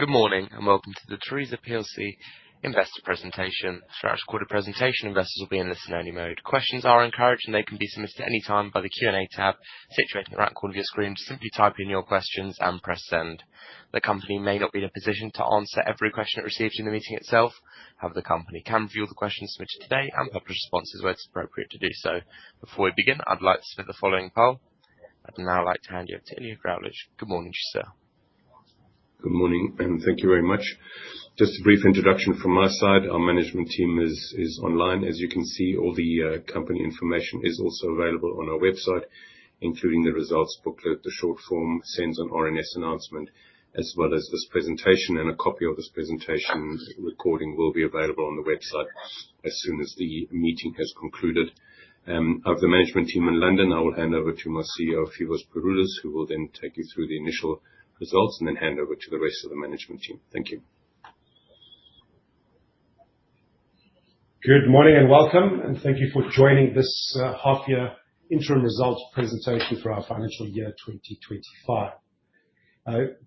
Good morning and welcome to the Tharisa plc Investor Presentation. Throughout this quarter, presentation investors will be in listen-only mode. Questions are encouraged, and they can be submitted at any time by the Q&A tab situated in the right corner of your screen. Just simply type in your questions and press send. The company may not be in a position to answer every question it receives in the meeting itself. However, the company can review the questions submitted today and publish responses where it's appropriate to do so. Before we begin, I'd like to submit the following poll. I'd now like to hand you over to Ilja Graulich. Good morning, sir. Good morning, and thank you very much. Just a brief introduction from my side. Our management team is online. As you can see, all the company information is also available on our website, including the results booklet, the short form, SENSE and RNS announcement, as well as this presentation. A copy of this presentation recording will be available on the website as soon as the meeting has concluded. Of the management team in London, I will hand over to my CEO, Phoevos Pouroulis, who will then take you through the initial results and then hand over to the rest of the management team. Thank you. Good morning and welcome, and thank you for joining this half-year interim results presentation for our financial year 2025.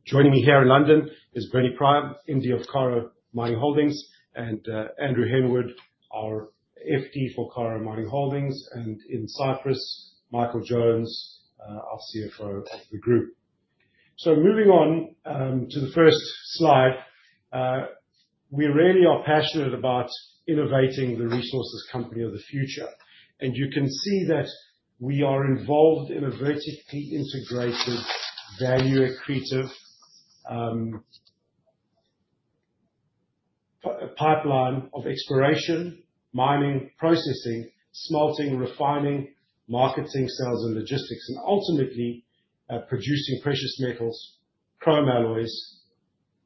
Joining me here in London is Bernie Pryor, MD of Karo Mining Holdings, and Andrew Henwood, our FD for Karo Mining Holdings, and in Cyprus, Michael Jones, our CFO of the group. Moving on to the first slide, we really are passionate about innovating the resources company of the future. You can see that we are involved in a vertically integrated value-accretive pipeline of exploration, mining, processing, smelting, refining, marketing, sales, and logistics, and ultimately producing precious metals, chrome alloys.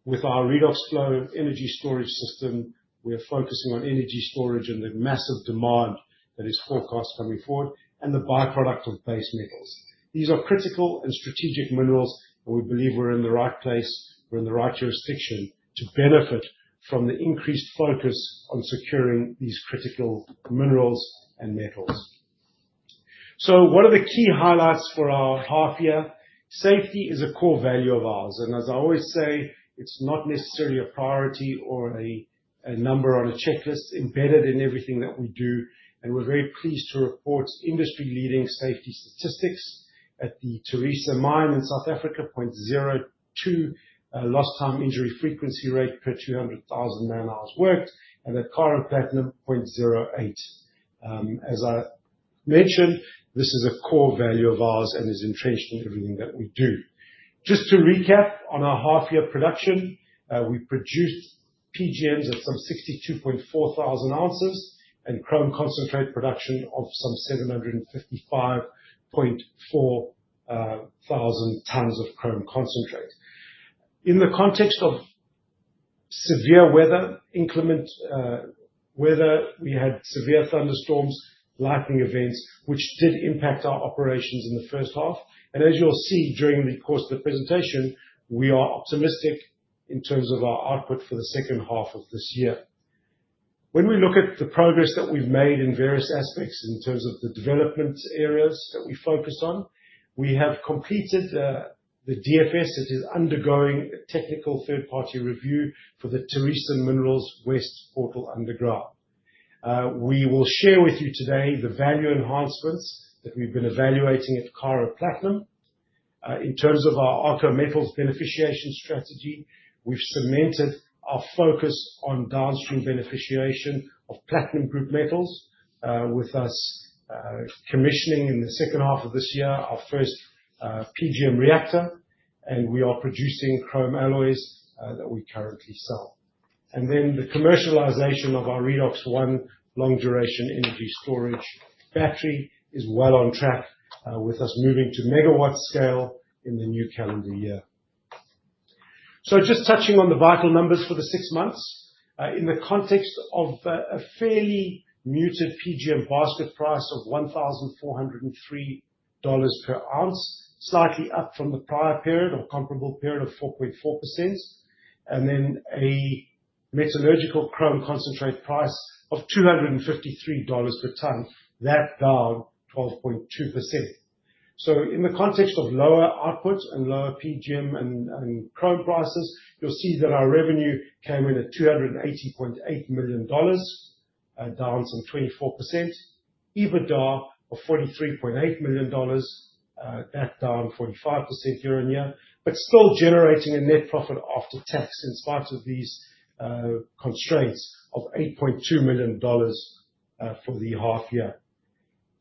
With our Redox Flow energy storage system, we're focusing on energy storage and the massive demand that is forecast coming forward and the byproduct of base metals. These are critical and strategic minerals, and we believe we're in the right place, we're in the right jurisdiction to benefit from the increased focus on securing these critical minerals and metals. What are the key highlights for our half-year? Safety is a core value of ours. As I always say, it's not necessarily a priority or a number on a checklist, it is embedded in everything that we do. We're very pleased to report industry-leading safety statistics at the Tharisa Mine in South Africa, 0.02 lost time injury frequency rate per 200,000 man-hours worked, and at Karo Platinum, 0.08. As I mentioned, this is a core value of ours and is entrenched in everything that we do. Just to recap on our half-year production, we produced PGMs at some 62.4 thousand ounces and chrome concentrate production of some 755.4 thousand tons of chrome concentrate. In the context of severe weather, we had severe thunderstorms, lightning events, which did impact our operations in the first half. As you'll see during the course of the presentation, we are optimistic in terms of our output for the second half of this year. When we look at the progress that we've made in various aspects in terms of the development areas that we focus on, we have completed the Definitive Feasibility Study that is undergoing a technical third-party review for the Tharisa Minerals West portal underground. We will share with you today the value enhancements that we've been evaluating at Karo Platinum. In terms of our Arxo Metals beneficiation strategy, we've cemented our focus on downstream beneficiation of platinum group metals with us commissioning in the second half of this year our first PGM reactor, and we are producing chrome alloys that we currently sell. The commercialization of our Redox One long-duration energy storage battery is well on track with us moving to megawatt scale in the new calendar year. Just touching on the vital numbers for the six months, in the context of a fairly muted PGM basket price of $1,403 per ounce, slightly up from the prior period or comparable period of 4.4%, and then a metallurgical chrome concentrate price of $253 per tonne, that down 12.2%. In the context of lower output and lower PGM and chrome prices, you'll see that our revenue came in at $280.8 million, down some 24%, EBITDA of $43.8 million, that down 45% year on year, but still generating a net profit after tax in spite of these constraints of $8.2 million for the half-year.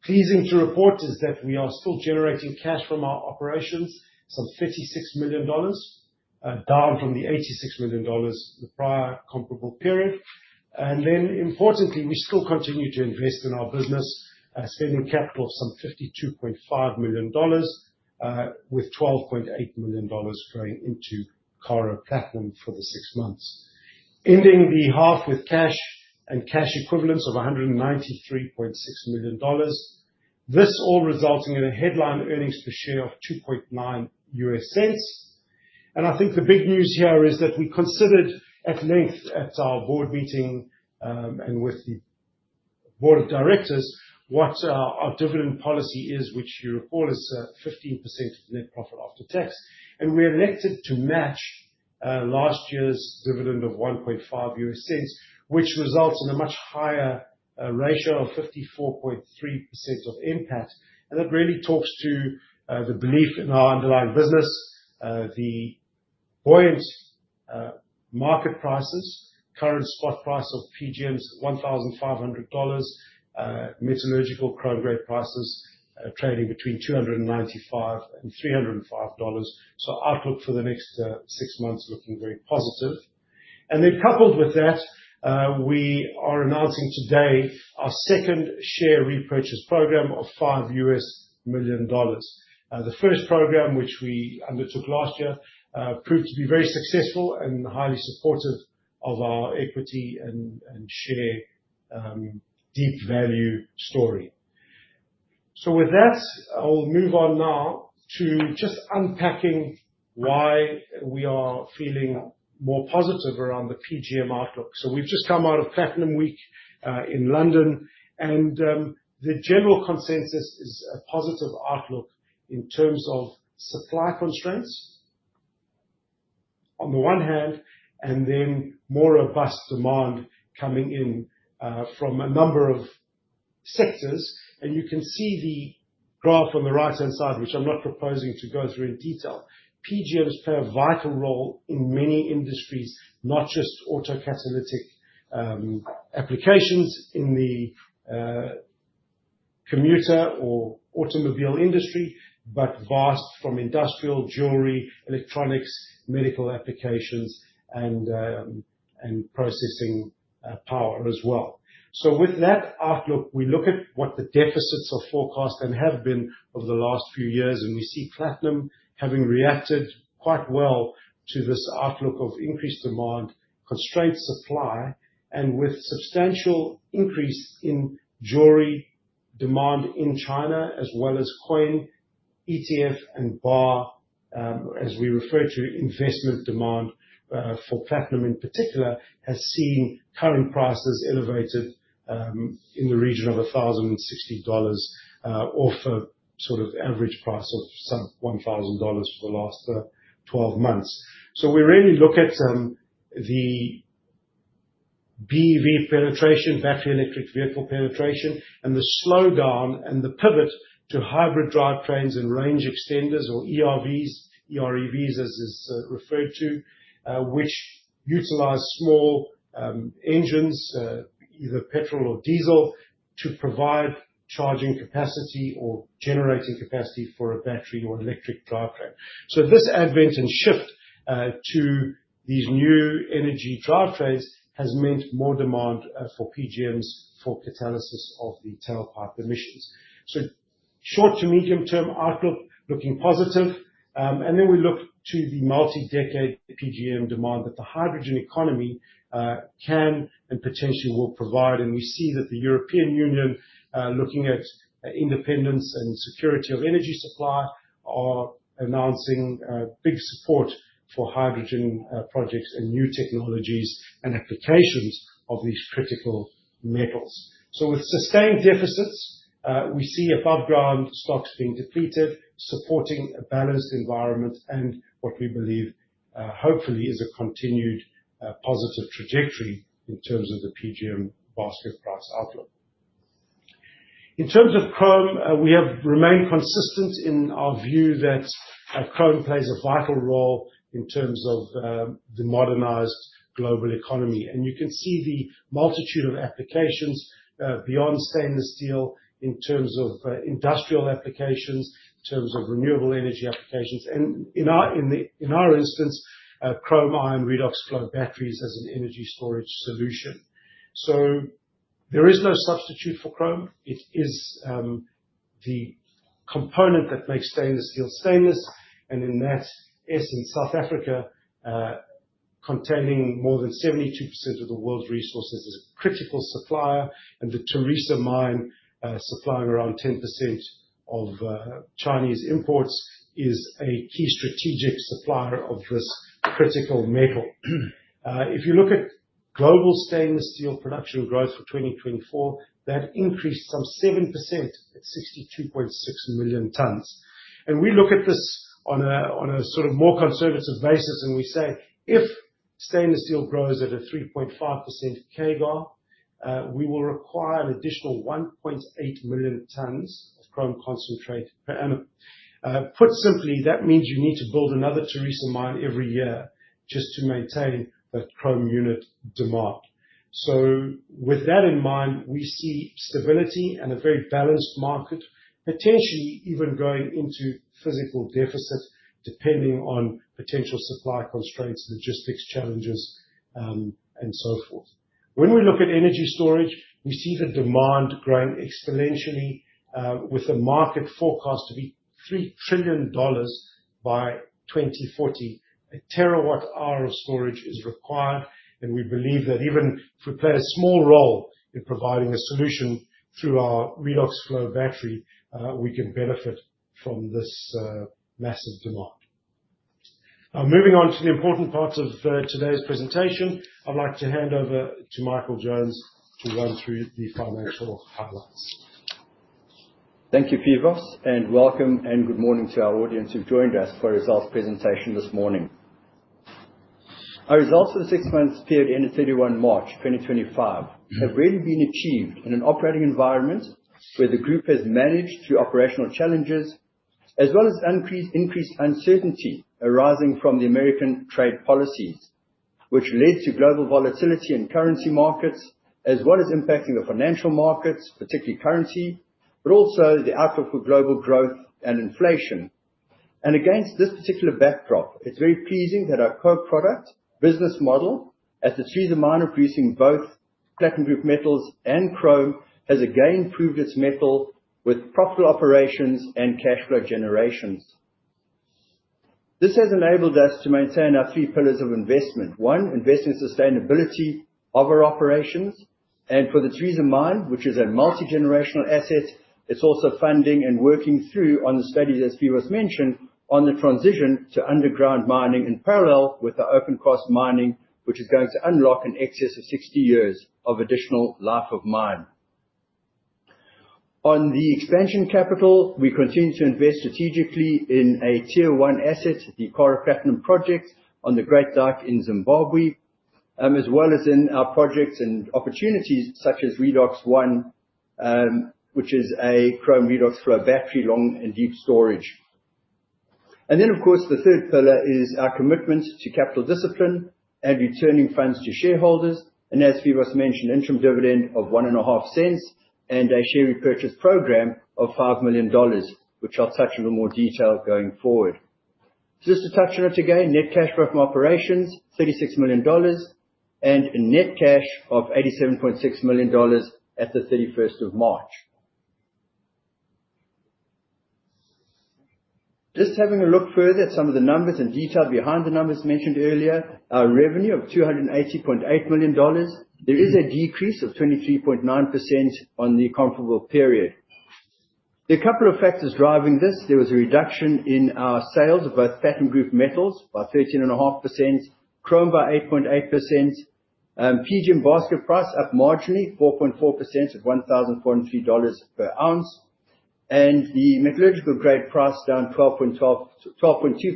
Pleasing to report is that we are still generating cash from our operations, some $36 million, down from the $86 million the prior comparable period. Importantly, we still continue to invest in our business, spending capital of some $52.5 million with $12.8 million going into Karo Platinum for the six months. Ending the half with cash and cash equivalents of $193.6 million, this all resulting in a headline earnings per share of $0.029. I think the big news here is that we considered at length at our board meeting and with the board of directors what our dividend policy is, which you recall is 15% of net profit after tax. We elected to match last year's dividend of $0.015, which results in a much higher ratio of 54.3% of impact. That really talks to the belief in our underlying business, the buoyant market prices, current spot price of PGMs $1,500, metallurgical chrome grade prices trading between $295-$305. Outlook for the next six months looking very positive. Coupled with that, we are announcing today our second share repurchase program of $5 million. The first program, which we undertook last year, proved to be very successful and highly supportive of our equity and share deep value story. With that, I'll move on now to just unpacking why we are feeling more positive around the PGM outlook. We've just come out of Platinum Week in London, and the general consensus is a positive outlook in terms of supply constraints on the one hand, and then more robust demand coming in from a number of sectors. You can see the graph on the right-hand side, which I'm not proposing to go through in detail. PGMs play a vital role in many industries, not just autocatalytic applications in the commuter or automobile industry, but vast from industrial, jewelry, electronics, medical applications, and processing power as well. With that outlook, we look at what the deficits are forecast and have been over the last few years, and we see Platinum having reacted quite well to this outlook of increased demand, constrained supply, and with substantial increase in jewelry demand in China, as well as coin, ETF, and bar, as we refer to investment demand for Platinum in particular, has seen current prices elevated in the region of $1,060 off a sort of average price of some $1,000 for the last 12 months. We really look at the BEV penetration, battery electric vehicle penetration, and the slowdown and the pivot to hybrid drivetrains and range extenders or ERVs, EREVs as is referred to, which utilize small engines, either petrol or diesel, to provide charging capacity or generating capacity for a battery or electric drivetrain. This advent and shift to these new energy drivetrains has meant more demand for PGMs for catalysis of the tailpipe emissions. Short to medium-term outlook looking positive. We look to the multi-decade PGM demand that the hydrogen economy can and potentially will provide. We see that the European Union, looking at independence and security of energy supply, are announcing big support for hydrogen projects and new technologies and applications of these critical metals. With sustained deficits, we see above-ground stocks being depleted, supporting a balanced environment and what we believe, hopefully, is a continued positive trajectory in terms of the PGM basket price outlook. In terms of chrome, we have remained consistent in our view that chrome plays a vital role in terms of the modernized global economy. You can see the multitude of applications beyond stainless steel in terms of industrial applications, in terms of renewable energy applications, and in our instance, chrome iron Redox Flow batteries as an energy storage solution. There is no substitute for chrome. It is the component that makes stainless steel stainless. In that, South Africa, containing more than 72% of the world's resources, is a critical supplier. The Tharisa Mine supplying around 10% of Chinese imports is a key strategic supplier of this critical metal. If you look at global stainless steel production growth for 2024, that increased some 7% at 62.6 million tons. We look at this on a sort of more conservative basis, and we say if stainless steel grows at a 3.5% CAGR, we will require an additional 1.8 million tons of chrome concentrate. Put simply, that means you need to build another Tharisa Mine every year just to maintain the chrome unit demand. With that in mind, we see stability and a very balanced market, potentially even going into physical deficit depending on potential supply constraints, logistics challenges, and so forth. When we look at energy storage, we see the demand growing exponentially with a market forecast to be $3 trillion by 2040. A terawatt hour of storage is required, and we believe that even if we play a small role in providing a solution through our Redox Flow battery, we can benefit from this massive demand. Moving on to the important parts of today's presentation, I'd like to hand over to Michael Jones to run through the financial highlights. Thank you, Phoevos, and welcome and good morning to our audience who've joined us for a results presentation this morning. Our results for the six-month period ended 31 March 2025 have really been achieved in an operating environment where the group has managed through operational challenges as well as increased uncertainty arising from the American trade policies, which led to global volatility in currency markets as well as impacting the financial markets, particularly currency, but also the outlook for global growth and inflation. Against this particular backdrop, it's very pleasing that our co-product business model at the Tharisa Mine of producing both platinum group metals and chrome has again proved its mettle with profitable operations and cash flow generations. This has enabled us to maintain our three pillars of investment. One, investing in sustainability of our operations. For the Tharisa Mine, which is a multi-generational asset, it's also funding and working through on the study, as Phoevos mentioned, on the transition to underground mining in parallel with the open-cast mining, which is going to unlock an excess of 60 years of additional life of mine. On the expansion capital, we continue to invest strategically in a tier-one asset, the Karo Platinum project on the Great Dyke in Zimbabwe, as well as in our projects and opportunities such as Redox One, which is a chrome Redox Flow battery long and deep storage. Of course, the third pillar is our commitment to capital discipline and returning funds to shareholders. As Phoevos mentioned, interim dividend of $0.015 and a share repurchase program of $5 million, which I'll touch in a little more detail going forward. Just to touch on it again, net cash growth from operations, $36 million, and net cash of $87.6 million at the 31st of March. Just having a look further at some of the numbers and detail behind the numbers mentioned earlier, our revenue of $280.8 million, there is a decrease of 23.9% on the comparable period. There are a couple of factors driving this. There was a reduction in our sales of both platinum group metals by 13.5%, chrome by 8.8%, PGM basket price up marginally 4.4% at $1,403 per ounce, and the metallurgical grade price down 12.2%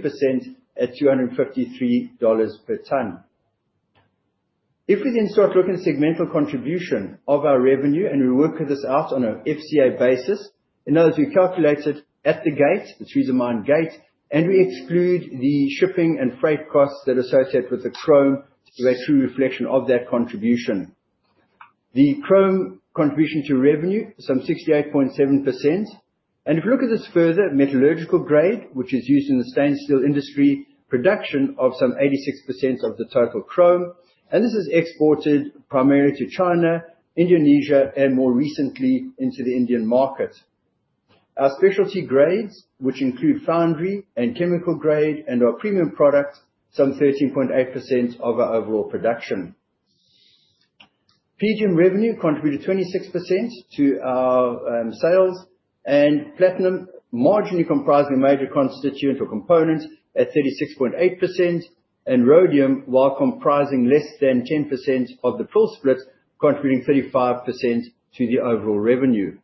at $253 per tonne. If we then start looking at segmental contribution of our revenue and we work this out on a FCA basis, in other words, we calculate it at the gate, the Tharisa Mine gate, and we exclude the shipping and freight costs that are associated with the chrome to be a true reflection of that contribution. The chrome contribution to revenue, some 68.7%. If we look at this further, metallurgical grade, which is used in the stainless steel industry, production of some 86% of the total chrome. This is exported primarily to China, Indonesia, and more recently into the Indian market. Our specialty grades, which include foundry and chemical grade, and our premium product, some 13.8% of our overall production. PGM revenue contributed 26% to our sales, and platinum marginally comprised a major constituent or component at 36.8%, and rhodium, while comprising less than 10% of the full split, contributing 35% to the overall revenue.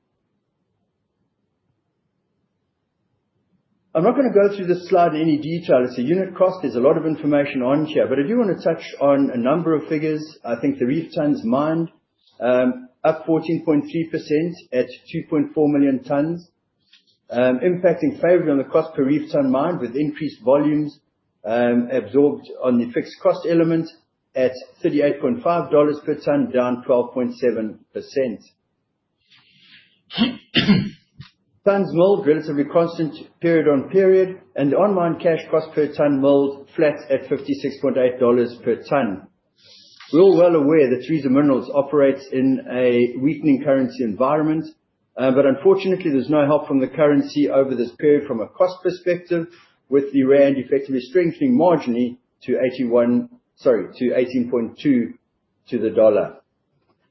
I'm not going to go through this slide in any detail. It's a unit cost. There's a lot of information on here, but I do want to touch on a number of figures. I think the reef tons mined up 14.3% at 2.4 million tons, impacting favor on the cost per reef ton mined with increased volumes absorbed on the fixed cost element at $38.5 per ton, down 12.7%. Tons milled, relatively constant period on period, and online cash cost per ton milled flat at $56.8 per ton. We're all well aware that Tharisa Minerals operates in a weakening currency environment, but unfortunately, there's no help from the currency over this period from a cost perspective, with the rand effectively strengthening marginally to 18.2 to the dollar.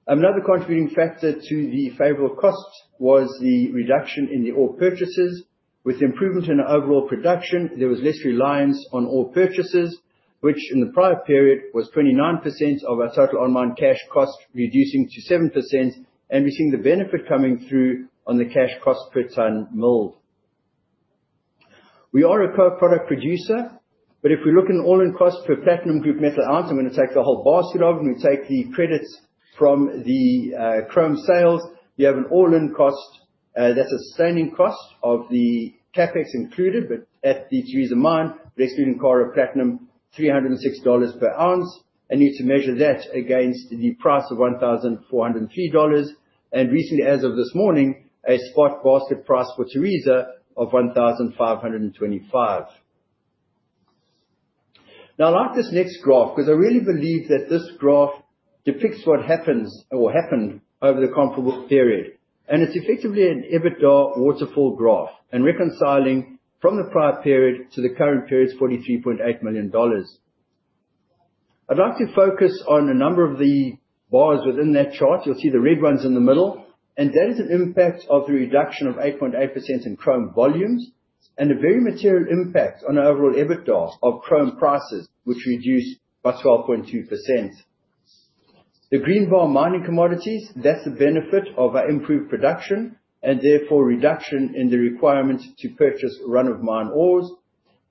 Another contributing factor to the favorable costs was the reduction in the ore purchases. With improvement in overall production, there was less reliance on ore purchases, which in the prior period was 29% of our total online cash cost, reducing to 7%, and we're seeing the benefit coming through on the cash cost per ton mold. We are a co-product producer, but if we look at an all-in cost for platinum group metal ounce, I'm going to take the whole basket of it. We take the credits from the chrome sales. You have an all-in cost that is a sustaining cost with the CapEx included, but at the Tharisa Mine, we are excluding Karo Platinum, $306 per ounce. You need to measure that against the price of $1,403. Recently, as of this morning, a spot basket price for Tharisa of $1,525. I like this next graph because I really believe that this graph depicts what happened over the comparable period. It is effectively an EBITDA waterfall graph and reconciling from the prior period to the current period, $43.8 million. I would like to focus on a number of the bars within that chart. You will see the red ones in the middle. That is an impact of the reduction of 8.8% in chrome volumes and a very material impact on our overall EBITDA of chrome prices, which reduced by 12.2%. The green bar, mining commodities, that's the benefit of our improved production and therefore reduction in the requirement to purchase run-of-mine ores.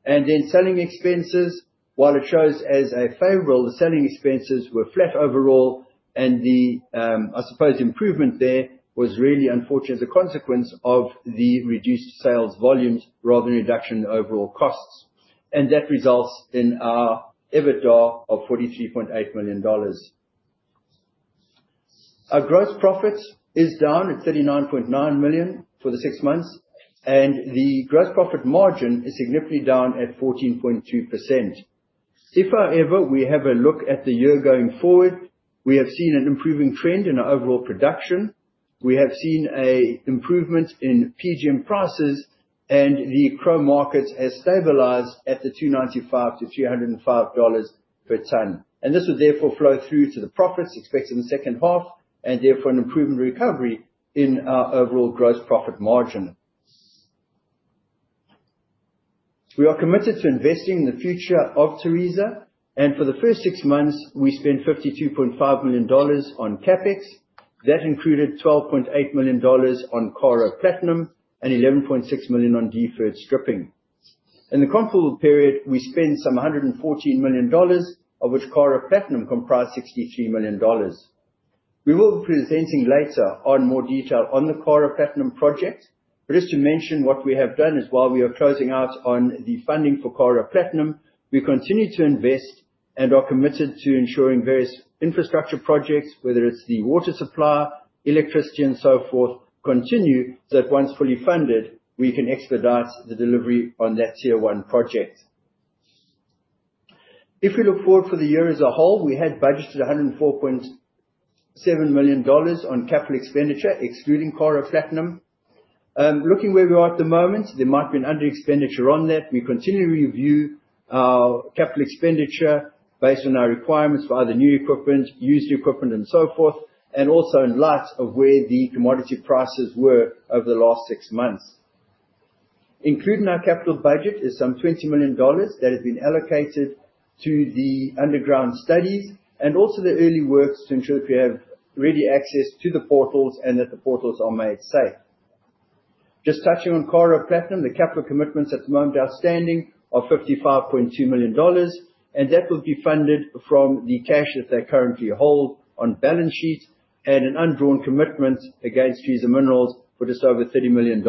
Selling expenses, while it shows as a favorable, the selling expenses were flat overall, and the, I suppose, improvement there was really unfortunate as a consequence of the reduced sales volumes rather than reduction in overall costs. That results in our EBITDA of $43.8 million. Our gross profit is down at $39.9 million for the six months, and the gross profit margin is significantly down at 14.2%. If however we have a look at the year going forward, we have seen an improving trend in our overall production. We have seen an improvement in PGM prices, and the chrome markets have stabilized at the $295-$305 per ton. This would therefore flow through to the profits expected in the second half, and therefore an improvement recovery in our overall gross profit margin. We are committed to investing in the future of Tharisa, and for the first six months, we spent $52.5 million on CapEx. That included $12.8 million on Karo Platinum and $11.6 million on deferred stripping. In the comparable period, we spent some $114 million, of which Karo Platinum comprised $63 million. We will be presenting later on more detail on the Karo Platinum project, but just to mention what we have done is while we are closing out on the funding for Karo Platinum, we continue to invest and are committed to ensuring various infrastructure projects, whether it is the water supply, electricity, and so forth, continue so that once fully funded, we can expedite the delivery on that tier-one project. If we look forward for the year as a whole, we had budgeted $104.7 million on capital expenditure, excluding Karo Platinum. Looking where we are at the moment, there might be an under-expenditure on that. We continually review our capital expenditure based on our requirements for either new equipment, used equipment, and so forth, and also in light of where the commodity prices were over the last six months. Included in our capital budget is some $20 million that has been allocated to the underground studies and also the early works to ensure that we have ready access to the portals and that the portals are made safe. Just touching on Karo Platinum, the capital commitments at the moment outstanding are $55.2 million, and that will be funded from the cash that they currently hold on balance sheet and an undrawn commitment against Tharisa Minerals for just over $30 million.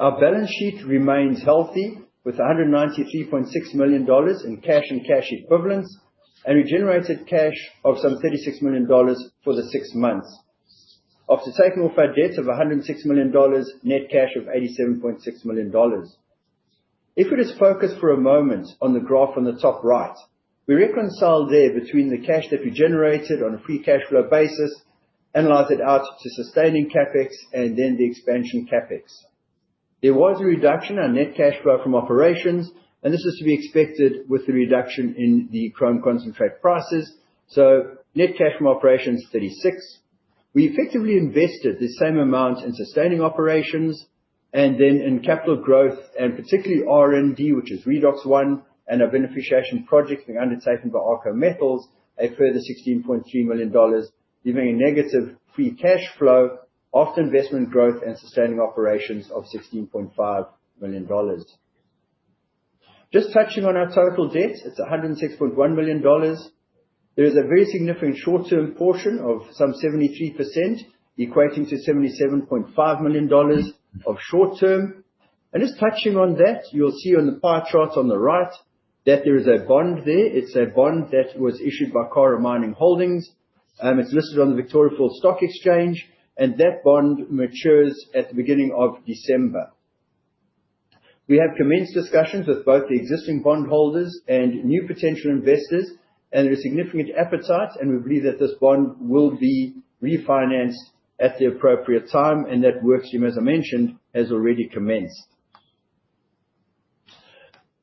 Our balance sheet remains healthy with $193.6 million in cash and cash equivalents, and we generated cash of some $36 million for the six months after taking off our debts of $106 million, net cash of $87.6 million. If we just focus for a moment on the graph on the top right, we reconcile there between the cash that we generated on a free cash flow basis, analyze it out to sustaining CapEx, and then the expansion CapEx. There was a reduction in our net cash flow from operations, and this is to be expected with the reduction in the chrome concentrate prices. Net cash from operations is $36 million. We effectively invested the same amount in sustaining operations and then in capital growth and particularly R&D, which is Redox One and our beneficiation project being undertaken by Arxo Metals, a further $16.3 million, leaving a negative free cash flow after investment growth and sustaining operations of $16.5 million. Just touching on our total debts, it's $106.1 million. There is a very significant short-term portion of some 73% equating to $77.5 million of short-term. Just touching on that, you'll see on the pie chart on the right that there is a bond there. It's a bond that was issued by Karo Mining Holdings. It's listed on the Victoria Falls Stock Exchange, and that bond matures at the beginning of December. We have commenced discussions with both the existing bondholders and new potential investors, and there is significant appetite, and we believe that this bond will be refinanced at the appropriate time, and that work stream, as I mentioned, has already commenced.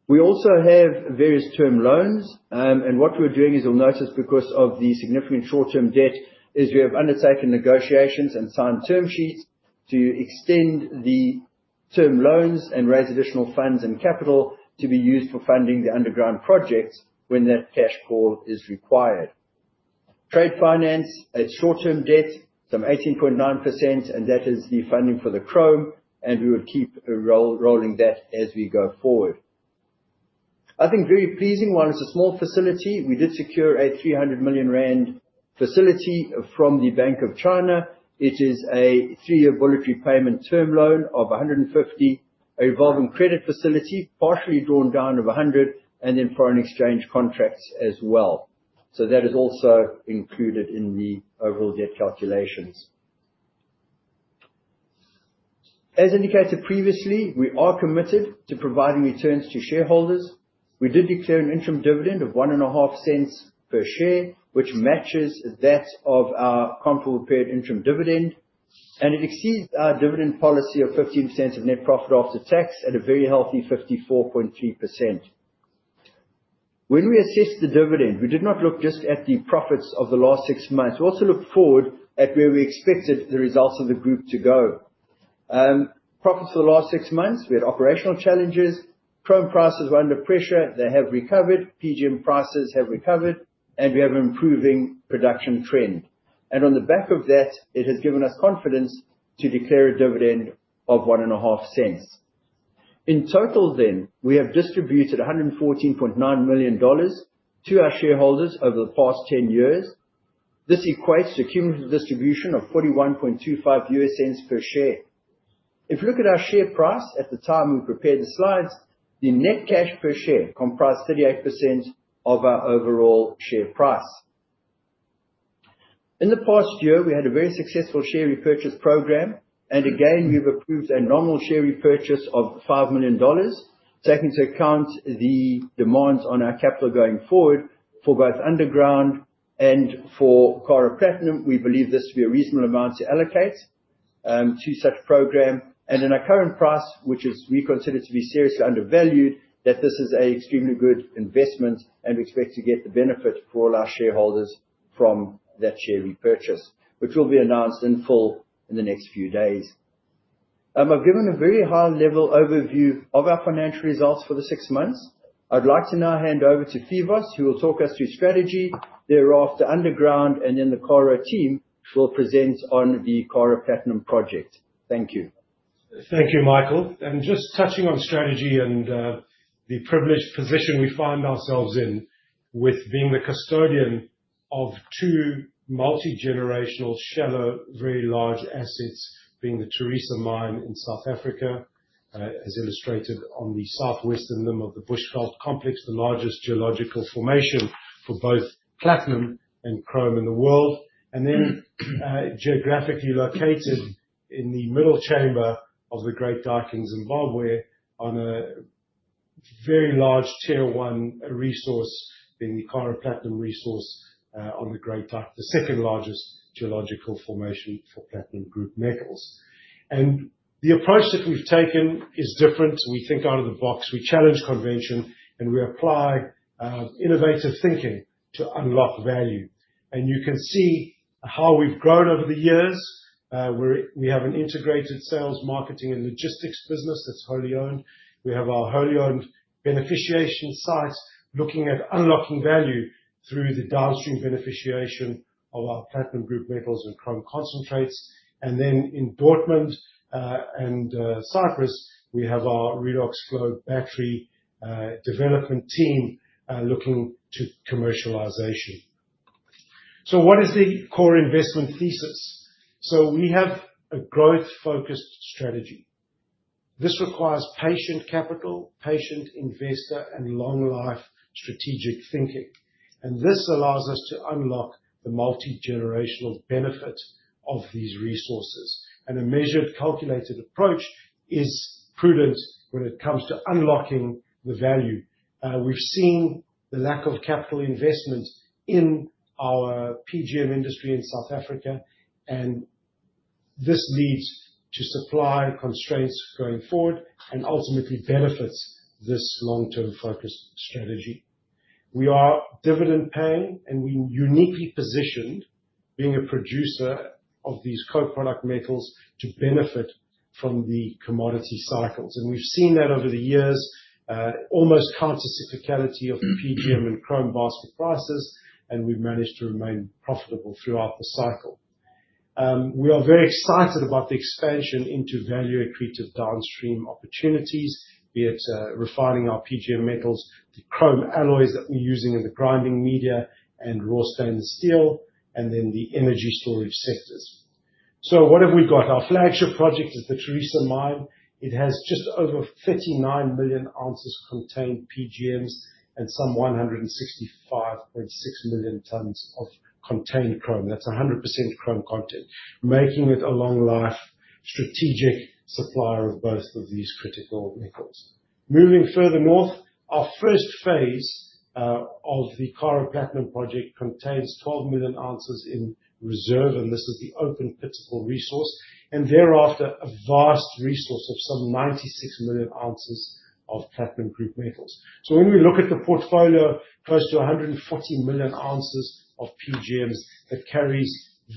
We also have various term loans, and what we're doing, as you'll notice because of the significant short-term debt, is we have undertaken negotiations and signed term sheets to extend the term loans and raise additional funds and capital to be used for funding the underground projects when that cash pool is required. Trade finance, it's short-term debt, some 18.9%, and that is the funding for the chrome, and we will keep rolling that as we go forward. I think a very pleasing one is a small facility. We did secure a CNY 300 million facility from the Bank of China. It is a three-year voluntary payment term loan of 150, a revolving credit facility, partially drawn down of 100, and then foreign exchange contracts as well. That is also included in the overall debt calculations. As indicated previously, we are committed to providing returns to shareholders. We did declare an interim dividend of $0.015 per share, which matches that of our comparable period interim dividend, and it exceeds our dividend policy of 15% of net profit after tax at a very healthy 54.3%. When we assessed the dividend, we did not look just at the profits of the last six months. We also looked forward at where we expected the results of the group to go. Profits for the last six months, we had operational challenges. Chrome prices were under pressure. They have recovered. PGM prices have recovered, and we have an improving production trend. On the back of that, it has given us confidence to declare a dividend of $0.015. In total then, we have distributed $114.9 million to our shareholders over the past 10 years. This equates to a cumulative distribution of $41.25 per share. If you look at our share price at the time we prepared the slides, the net cash per share comprised 38% of our overall share price. In the past year, we had a very successful share repurchase program, and again, we've approved a nominal share repurchase of $5 million. Taking into account the demands on our capital going forward for both underground and for Karo Platinum, we believe this would be a reasonable amount to allocate to such a program. In our current price, which we consider to be seriously undervalued, this is an extremely good investment, and we expect to get the benefit for all our shareholders from that share repurchase, which will be announced in full in the next few days. I have given a very high-level overview of our financial results for the six months. I would like to now hand over to Phoevos, who will talk us through strategy. Thereafter, underground and then the Karo team will present on the Karo Platinum Project. Thank you. Thank you, Michael. Just touching on strategy and the privileged position we find ourselves in with being the custodian of two multi-generational shallow, very large assets, being the Tharisa Mine in South Africa, as illustrated on the southwestern limb of the Bushveld Complex, the largest geological formation for both platinum and chrome in the world, and then geographically located in the middle chamber of the Great Dyke, Zimbabwe, on a very large tier-one resource, being the Karo Platinum resource on the Great Dyke, the second largest geological formation for platinum group metals. The approach that we've taken is different. We think out of the box. We challenge convention, and we apply innovative thinking to unlock value. You can see how we've grown over the years. We have an integrated sales, marketing, and logistics business that's wholly owned. We have our wholly owned beneficiation site looking at unlocking value through the downstream beneficiation of our platinum group metals and chrome concentrates. In Dortmund and Cyprus, we have our Redox Flow battery development team looking to commercialization. What is the core investment thesis? We have a growth-focused strategy. This requires patient capital, patient investor, and long-life strategic thinking. This allows us to unlock the multi-generational benefit of these resources. A measured, calculated approach is prudent when it comes to unlocking the value. We've seen the lack of capital investment in our PGM industry in South Africa, and this leads to supply constraints going forward and ultimately benefits this long-term focused strategy. We are dividend-paying, and we're uniquely positioned, being a producer of these co-product metals, to benefit from the commodity cycles. We have seen that over the years, almost counter-cyclicality of PGM and chrome basket prices, and we have managed to remain profitable throughout the cycle. We are very excited about the expansion into value-accretive downstream opportunities, be it refining our PGM metals, the chrome alloys that we are using in the grinding media, and raw stainless steel, and then the energy storage sectors. What have we got? Our flagship project is the Tharisa Mine. It has just over 39 million ounces of contained PGMs and some 165.6 million tons of contained chrome. That is 100% chrome content, making it a long-life strategic supplier of both of these critical metals. Moving further north, our first phase of the Karo Platinum Project contains 12 million ounces in reserve, and this is the open physical resource, and thereafter a vast resource of some 96 million ounces of platinum group metals. When we look at the portfolio, close to 140 million ounces of PGMs, that carries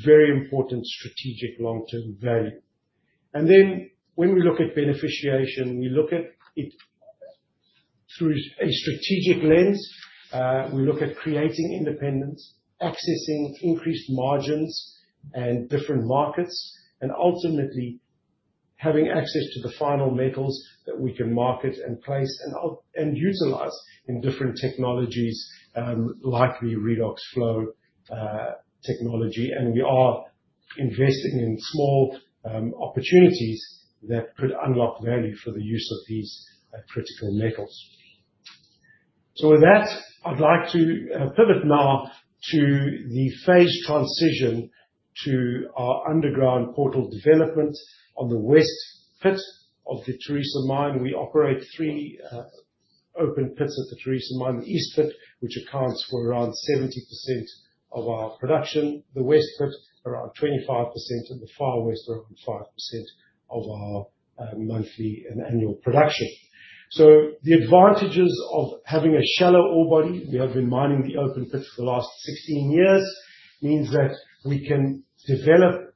very important strategic long-term value. When we look at beneficiation, we look at it through a strategic lens. We look at creating independence, accessing increased margins and different markets, and ultimately having access to the final metals that we can market and place and utilize in different technologies like the Redox Flow technology. We are investing in small opportunities that could unlock value for the use of these critical metals. With that, I'd like to pivot now to the phase transition to our underground portal development on the west pit of the Tharisa Mine. We operate three open pits at the Tharisa Mine: the east pit, which accounts for around 70% of our production, the west pit around 25%, and the far west around 5% of our monthly and annual production. The advantages of having a shallow ore body, we have been mining the open pit for the last 16 years, means that we can develop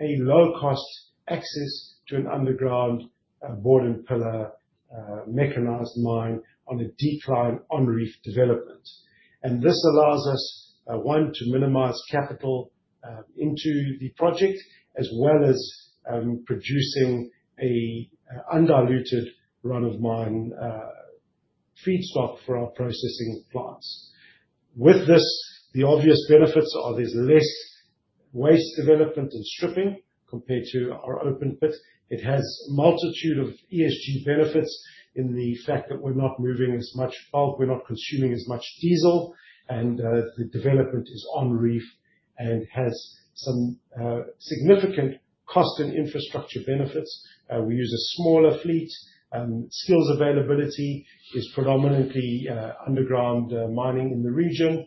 a low-cost access to an underground board and pillar mechanized mine on a decline on-reef development. This allows us, one, to minimize capital into the project, as well as producing an undiluted run-of-mine feedstock for our processing plants. With this, the obvious benefits are there's less waste development and stripping compared to our open pit. It has a multitude of ESG benefits in the fact that we're not moving as much bulk, we're not consuming as much diesel, and the development is on-reef and has some significant cost and infrastructure benefits. We use a smaller fleet. Skills availability is predominantly underground mining in the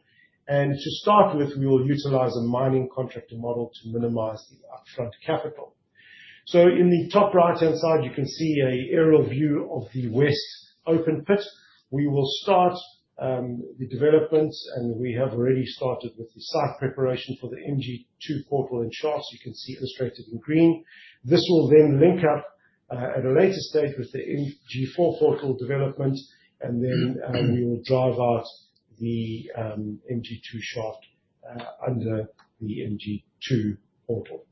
region. To start with, we will utilize a mining contractor model to minimize the upfront capital. In the top right-hand side, you can see an aerial view of the west open pit. We will start the development, and we have already started with the site preparation for the MG2 portal and shafts. You can see illustrated in green. This will then link up at a later stage with the MG4 portal development, and we will drive out the MG2 shaft under the MG2 portal.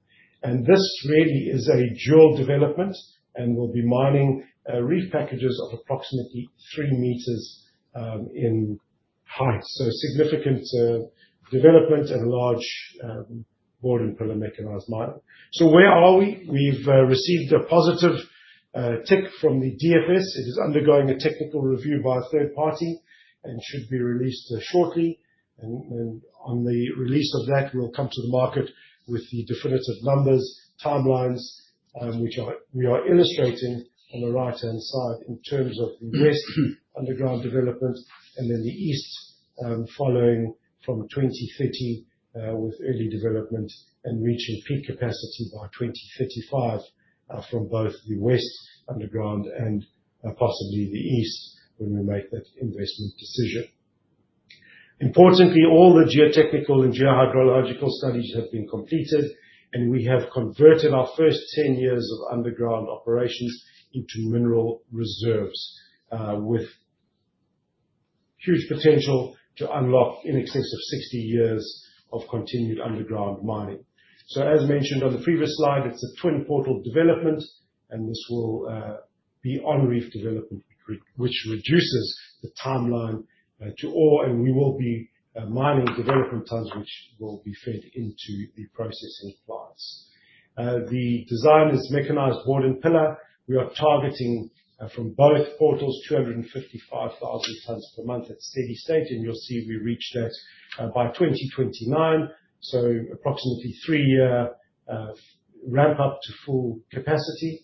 This really is a dual development, and we'll be mining reef packages of approximately 3 meters in height. Significant development and a large board and pillar mechanized mine. Where are we? We've received a positive tick from the DFS. It is undergoing a technical review by a third party and should be released shortly. On the release of that, we'll come to the market with the definitive numbers, timelines, which we are illustrating on the right-hand side in terms of the west underground development and then the east following from 2030 with early development and reaching peak capacity by 2035 from both the west underground and possibly the east when we make that investment decision. Importantly, all the geotechnical and geohydrological studies have been completed, and we have converted our first 10 years of underground operations into mineral reserves with huge potential to unlock in excess of 60 years of continued underground mining. As mentioned on the previous slide, it's a twin portal development, and this will be on-reef development, which reduces the timeline to ore, and we will be mining development tons which will be fed into the processing plants. The design is mechanized board and pillar. We are targeting from both portals 255,000 tons per month at steady state, and you'll see we reach that by 2029. Approximately a three-year ramp-up to full capacity.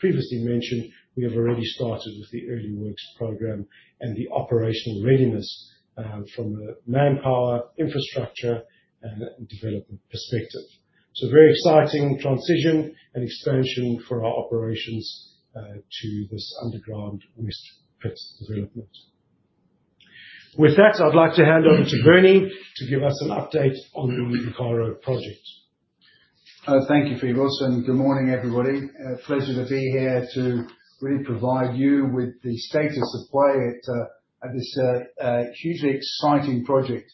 As previously mentioned, we have already started with the early works program and the operational readiness from a manpower, infrastructure, and development perspective. Very exciting transition and expansion for our operations to this underground west pit development. With that, I'd like to hand over to Bernie to give us an update on the Karo project. Thank you, Phoevos. Good morning, everybody. Pleasure to be here to really provide you with the status of play at this hugely exciting project.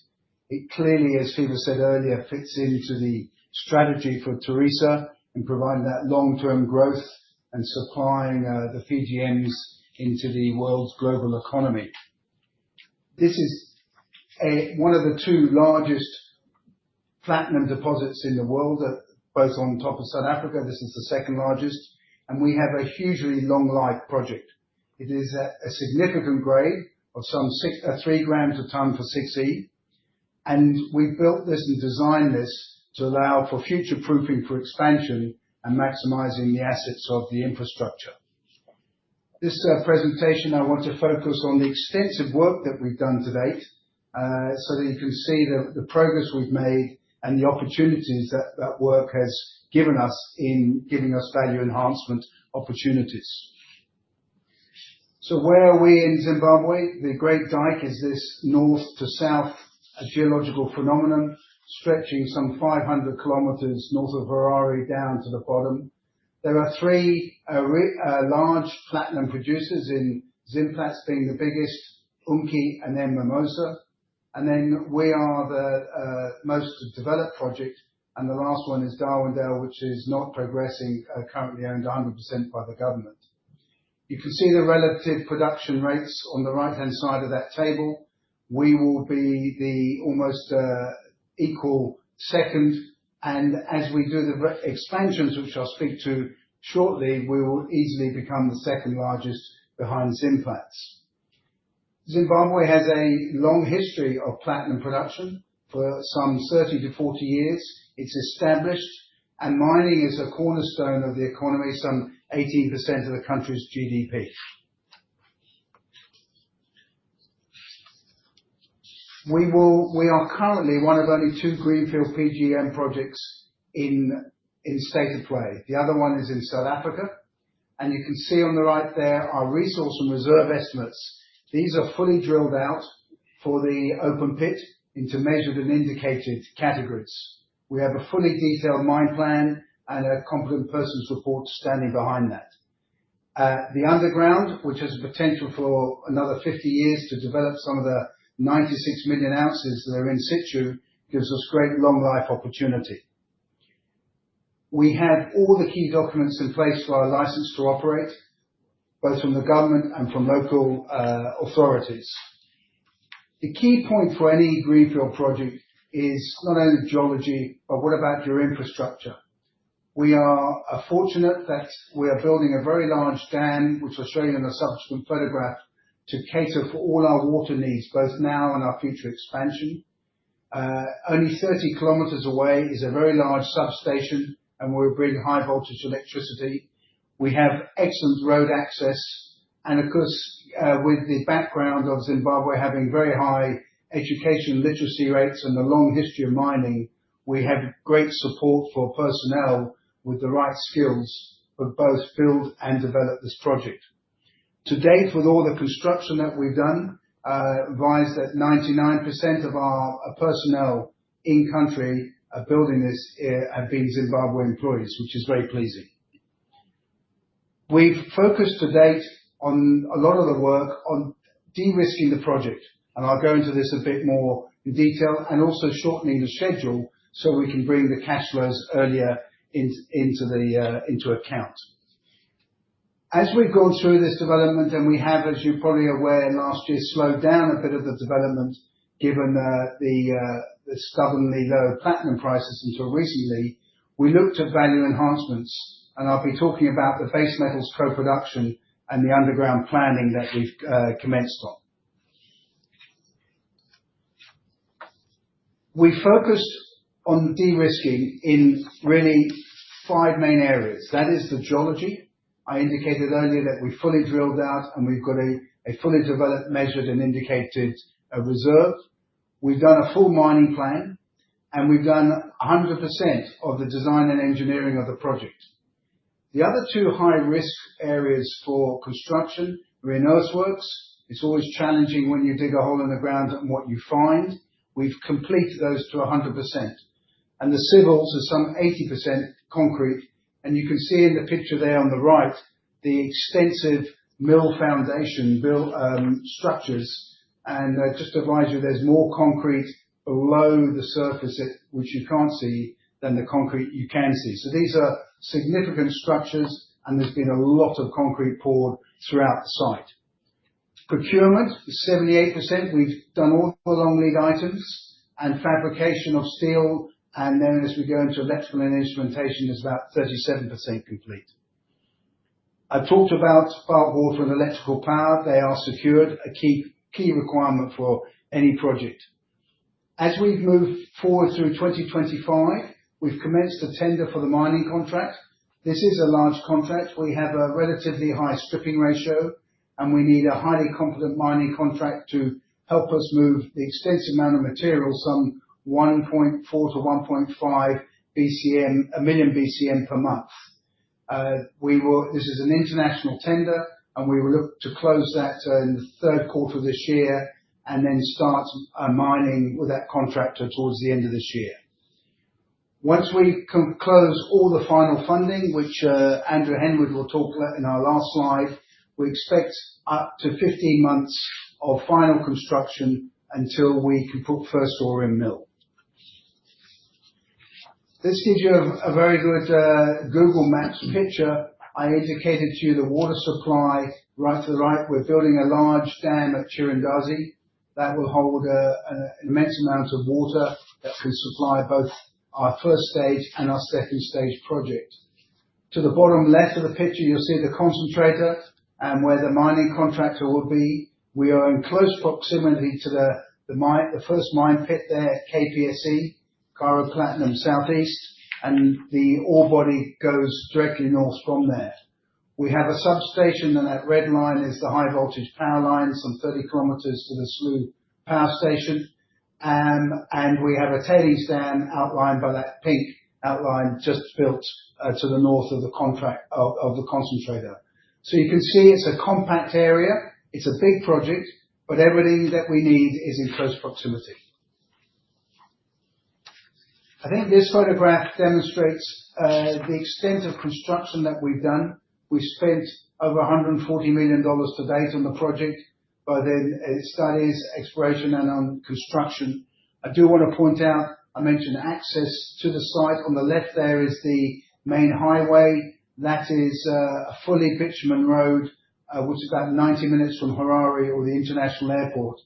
It clearly, as Phoevos said earlier, fits into the strategy for Tharisa in providing that long-term growth and supplying the PGMs into the world's global economy. This is one of the two largest platinum deposits in the world, both on top of South Africa. This is the second largest, and we have a hugely long-life project. It is a significant grade of some 3 grams a ton for 6E. And we built this and designed this to allow for future proofing for expansion and maximizing the assets of the infrastructure. This presentation, I want to focus on the extensive work that we've done to date so that you can see the progress we've made and the opportunities that that work has given us in giving us value enhancement opportunities. So where are we in Zimbabwe? The Great Dyke is this north-to-south geological phenomenon stretching some 500 km north of Harare down to the bottom. There are three large platinum producers in Zimplats being the biggest, Unki and then Mimosa. We are the most developed project, and the last one is Darwindale, which is not progressing, currently owned 100% by the government. You can see the relative production rates on the right-hand side of that table. We will be the almost equal second. As we do the expansions, which I'll speak to shortly, we will easily become the second largest behind Zimplats. Zimbabwe has a long history of platinum production for some 30-40 years. It is established, and mining is a cornerstone of the economy, some 18% of the country's GDP. We are currently one of only two greenfield PGM projects in state of play. The other one is in South Africa. You can see on the right there are resource and reserve estimates. These are fully drilled out for the open pit into measured and indicated categories. We have a fully detailed mine plan and a competent person's report standing behind that. The underground, which has the potential for another 50 years to develop some of the 96 million ounces that are in situ, gives us great long-life opportunity. We have all the key documents in place for our license to operate, both from the government and from local authorities. The key point for any greenfield project is not only geology, but what about your infrastructure? We are fortunate that we are building a very large dam, which I'll show you in a subsequent photograph, to cater for all our water needs, both now and our future expansion. Only 30 km away is a very large substation, and we'll bring high-voltage electricity. We have excellent road access. Of course, with the background of Zimbabwe having very high education literacy rates and a long history of mining, we have great support for personnel with the right skills for both build and develop this project. To date, with all the construction that we've done, it provides that 99% of our personnel in country are building this and being Zimbabwean employees, which is very pleasing. We've focused to date on a lot of the work on de-risking the project, and I'll go into this a bit more in detail, and also shortening the schedule so we can bring the cash flows earlier into account. As we've gone through this development, and we have, as you're probably aware, last year slowed down a bit of the development given the stubbornly low platinum prices until recently, we looked at value enhancements, and I'll be talking about the base metals co-production and the underground planning that we've commenced on. We focused on de-risking in really five main areas. That is the geology. I indicated earlier that we fully drilled out, and we've got a fully developed, measured, and indicated reserve. We've done a full mining plan, and we've done 100% of the design and engineering of the project. The other two high-risk areas for construction, reinforced works, it's always challenging when you dig a hole in the ground and what you find. We've completed those to 100%. And the civils are some 80% concrete. You can see in the picture there on the right, the extensive mill foundation structures. Just to advise you, there is more concrete below the surface, which you cannot see, than the concrete you can see. These are significant structures, and there has been a lot of concrete poured throughout the site. Procurement, 78%. We have done all the long lead items and fabrication of steel. As we go into electrical and instrumentation, there is about 37% complete. I talked about power board for electrical power. They are secured, a key requirement for any project. As we have moved forward through 2025, we have commenced to tender for the mining contract. This is a large contract. We have a relatively high stripping ratio, and we need a highly competent mining contract to help us move the extensive amount of material, some 1.4 million-1.5 million BCM per month. This is an international tender, and we will look to close that in the third quarter of this year and then start mining with that contractor towards the end of this year. Once we close all the final funding, which Andrew Henwood will talk about in our last slide, we expect up to 15 months of final construction until we can put first ore in mill. This gives you a very good Google Maps picture. I indicated to you the water supply right to the right. We're building a large dam at Chirundazi that will hold an immense amount of water that can supply both our first stage and our second stage project. To the bottom left of the picture, you'll see the concentrator and where the mining contractor will be. We are in close proximity to the first mine pit there, KPSE, Karo Platinum Southeast, and the ore body goes directly north from there. We have a substation, and that red line is the high-voltage power line, some 30 km to the Selous Power Station. We have a tailings dam outlined by that pink outline just built to the north of the concentrator. You can see it is a compact area. It is a big project, but everything that we need is in close proximity. I think this photograph demonstrates the extent of construction that we have done. We have spent over $140 million to date on the project, both in studies, exploration, and on construction. I do want to point out, I mentioned access to the site. On the left there is the main highway. That is a fully pitched road, which is about 90 minutes from Harare or the international airport.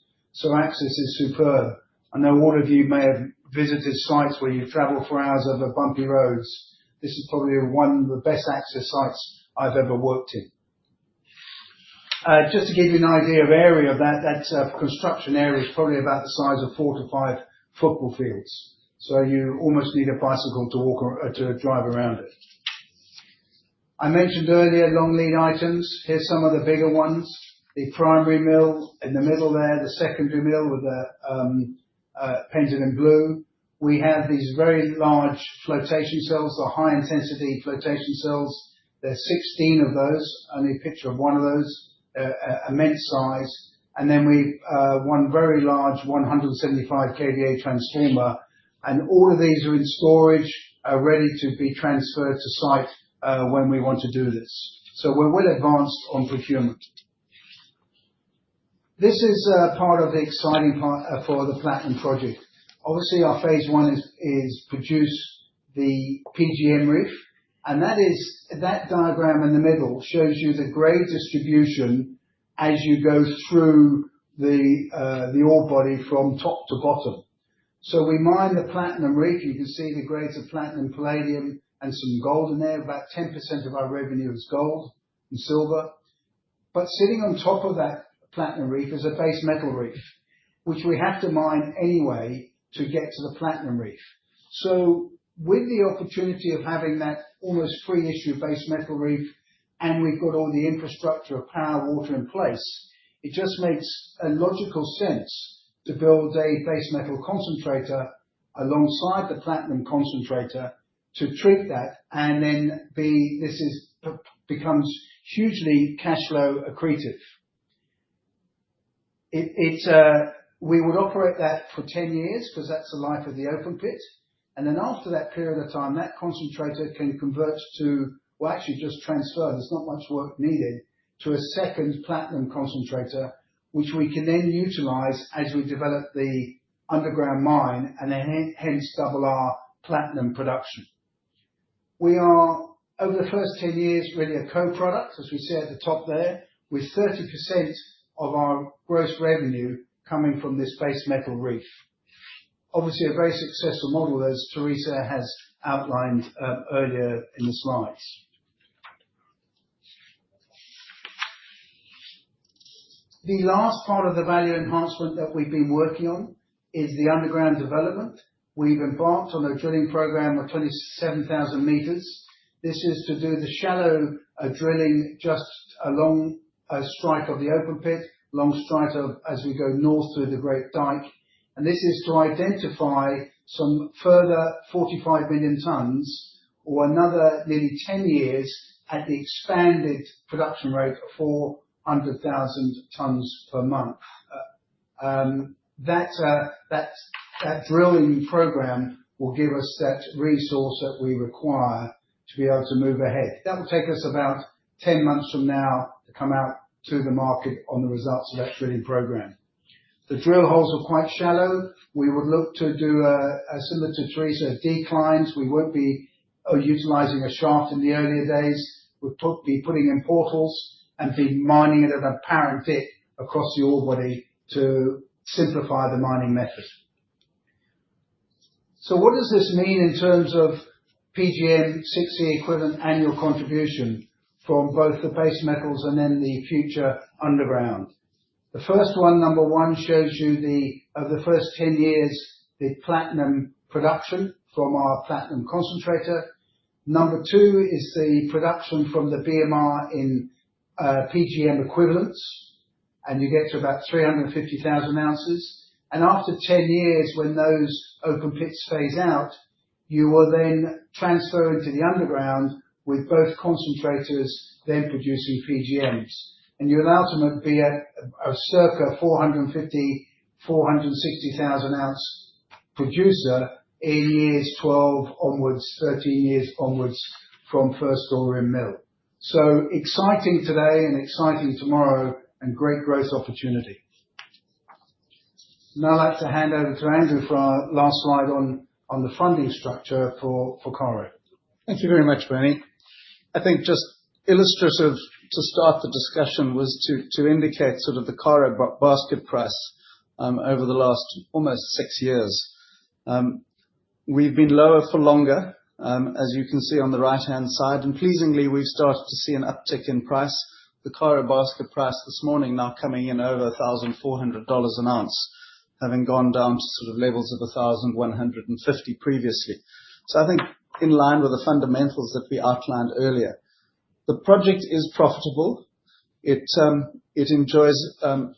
Access is superb. I know all of you may have visited sites where you travel for hours over bumpy roads. This is probably one of the best access sites I've ever worked in. Just to give you an idea of the area of that, that construction area is probably about the size of four to five football fields. You almost need a bicycle to drive around it. I mentioned earlier long lead items. Here are some of the bigger ones. The primary mill in the middle there, the secondary mill with the painted in blue. We have these very large flotation cells, the high-intensity flotation cells. There are 16 of those, only a picture of one of those, immense size. Then we have one very large 175 kVA transformer. All of these are in storage, ready to be transferred to site when we want to do this. We are well advanced on procurement. This is part of the exciting part for the platinum project. Obviously, our phase one is produce the PGM reef. That diagram in the middle shows you the grade distribution as you go through the ore body from top to bottom. We mine the platinum reef. You can see the grades of platinum, palladium, and some gold in there. About 10% of our revenue is gold and silver. Sitting on top of that platinum reef is a base metal reef, which we have to mine anyway to get to the platinum reef. With the opportunity of having that almost pre-issue base metal reef, and we've got all the infrastructure of power, water in place, it just makes logical sense to build a base metal concentrator alongside the platinum concentrator to treat that and then this becomes hugely cash flow accretive. We would operate that for 10 years because that's the life of the open pit. After that period of time, that concentrator can convert to, well, actually just transfer. There's not much work needed to a second platinum concentrator, which we can then utilize as we develop the underground mine and hence double our platinum production. We are, over the first 10 years, really a co-product, as we said at the top there, with 30% of our gross revenue coming from this base metal reef. Obviously, a very successful model, as Tharisa has outlined earlier in the slides. The last part of the value enhancement that we've been working on is the underground development. We've embarked on a drilling program of 27,000 meters. This is to do the shallow drilling just along a stripe of the open pit, long stripe as we go north through the Great Dyke. This is to identify some further 45 million tons or another nearly 10 years at the expanded production rate of 400,000 tons per month. That drilling program will give us that resource that we require to be able to move ahead. That will take us about 10 months from now to come out to the market on the results of that drilling program. The drill holes are quite shallow. We would look to do, similar to Tharisa, declines. We will not be utilizing a shaft in the earlier days. We'll be putting in portals and be mining it at a parent pick across the ore body to simplify the mining method. What does this mean in terms of PGM 6E equivalent annual contribution from both the base metals and then the future underground? The first one, number one, shows you, over the first 10 years, the platinum production from our platinum concentrator. Number two is the production from the BMR in PGM equivalents. You get to about 350,000 ounces. After 10 years, when those open pits phase out, you will then transfer into the underground with both concentrators then producing PGMs. You'll ultimately be a circa 450,000-460,000 ounce producer in years 12 onwards, 13 years onwards from first ore in mill. Exciting today and exciting tomorrow and great growth opportunity. Now I'd like to hand over to Andrew for our last slide on the funding structure for Karo. Thank you very much, Bernie. I think just illustrative to start the discussion was to indicate sort of the Karo basket price over the last almost six years. We've been lower for longer, as you can see on the right-hand side. Pleasingly, we've started to see an uptick in price. The Karo basket price this morning now coming in over $1,400 an ounce, having gone down to sort of levels of $1,150 previously. I think in line with the fundamentals that we outlined earlier, the project is profitable. It enjoys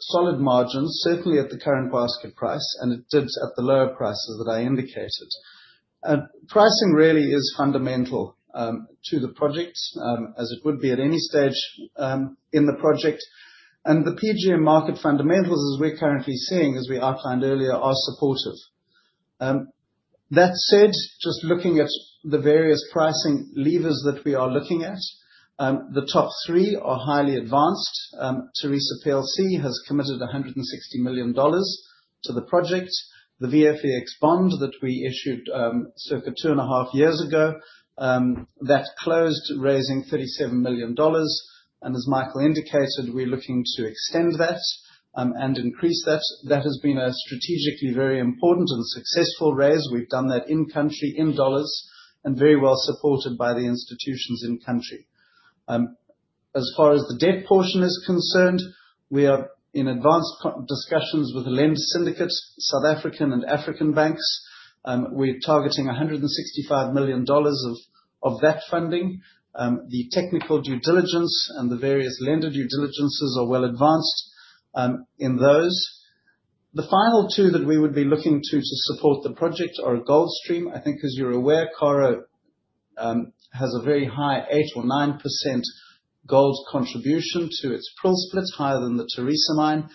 solid margins, certainly at the current basket price, and it did at the lower prices that I indicated. Pricing really is fundamental to the project, as it would be at any stage in the project. The PGM market fundamentals, as we're currently seeing, as we outlined earlier, are supportive. That said, just looking at the various pricing levers that we are looking at, the top three are highly advanced. Tharisa has committed $160 million to the project. The VFEX bond that we issued circa two and a half years ago, that closed raising $37 million. As Michael indicated, we're looking to extend that and increase that. That has been a strategically very important and successful raise. We've done that in country, in dollars, and very well supported by the institutions in country. As far as the debt portion is concerned, we are in advanced discussions with lend syndicates, South African and African banks. We're targeting $165 million of that funding. The technical due diligence and the various lender due diligences are well advanced in those. The final two that we would be looking to support the project are a gold stream. I think, as you're aware, Karo has a very high 8% or 9% gold contribution to its pro splits, higher than the Tharisa mine.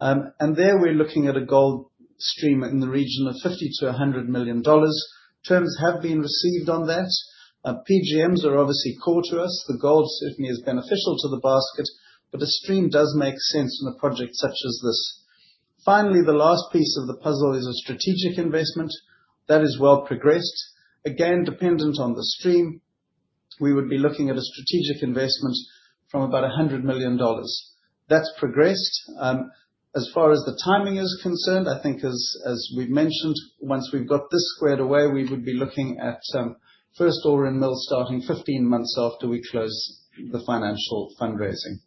And there we're looking at a gold stream in the region of $50 million-$100 million. Terms have been received on that. PGMs are obviously core to us. The gold certainly is beneficial to the basket, but a stream does make sense in a project such as this. Finally, the last piece of the puzzle is a strategic investment. That is well progressed. Again, dependent on the stream, we would be looking at a strategic investment from about $100 million. That's progressed. As far as the timing is concerned, I think, as we've mentioned, once we've got this squared away, we would be looking at first ore in mill starting 15 months after we close the financial fundraising.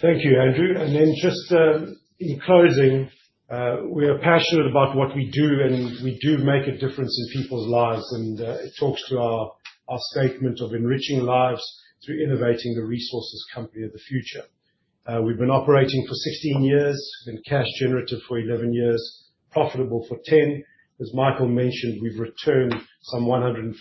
Thank you, Andrew. In closing, we are passionate about what we do, and we do make a difference in people's lives. It talks to our statement of enriching lives through innovating the resources company of the future. We've been operating for 16 years. We've been cash generative for 11 years, profitable for 10. As Michael mentioned, we've returned some $115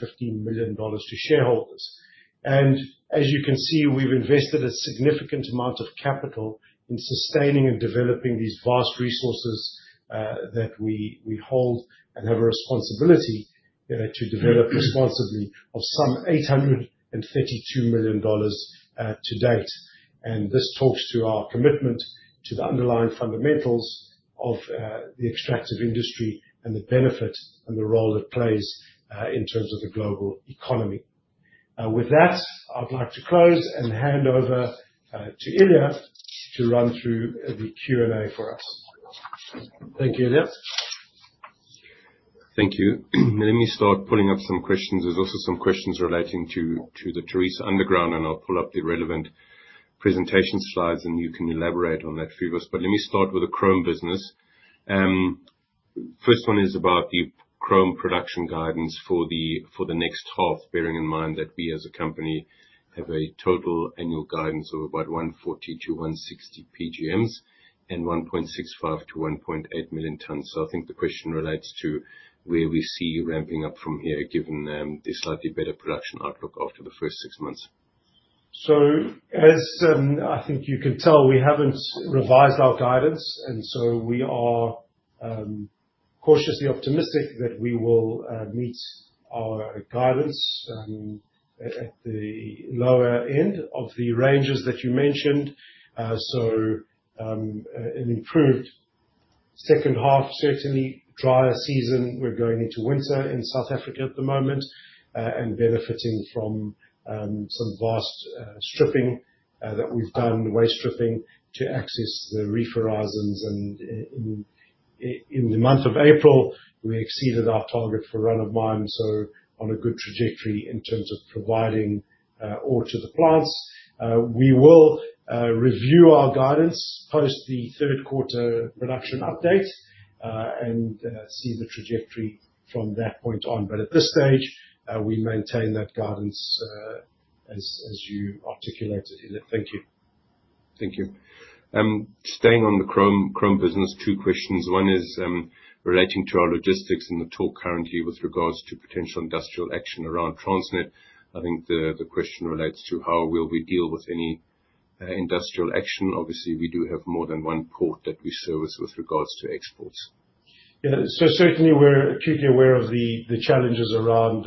million to shareholders. As you can see, we've invested a significant amount of capital in sustaining and developing these vast resources that we hold and have a responsibility to develop responsibly of some $832 million to date. This talks to our commitment to the underlying fundamentals of the extractive industry and the benefit and the role it plays in terms of the global economy. With that, I'd like to close and hand over to Ilja to run through the Q&A for us. Thank you, Ilja. Thank you. Let me start pulling up some questions. There are also some questions relating to the Tharisa underground, and I'll pull up the relevant presentation slides, and you can elaborate on that for us. Let me start with the chrome business. First one is about the chrome production guidance for the next half, bearing in mind that we, as a company, have a total annual guidance of about 140,000 to 160,000 PGMs and 1.65 million to 1.8 million tons. I think the question relates to where we see ramping up from here, given the slightly better production outlook after the first six months. As I think you can tell, we have not revised our guidance. We are cautiously optimistic that we will meet our guidance at the lower end of the ranges that you mentioned. An improved second half, certainly drier season. We are going into winter in South Africa at the moment and benefiting from some vast stripping that we have done, waste stripping to access the reef horizons. In the month of April, we exceeded our target for run of mine. On a good trajectory in terms of providing ore to the plants. We will review our guidance post the third quarter production update and see the trajectory from that point on. At this stage, we maintain that guidance as you articulated, Ilja. Thank you. Thank you. Staying on the chrome business, two questions. One is relating to our logistics and the talk currently with regards to potential industrial action around Transnet. I think the question relates to how we will deal with any industrial action. Obviously, we do have more than one port that we service with regards to exports. Yeah. We are acutely aware of the challenges around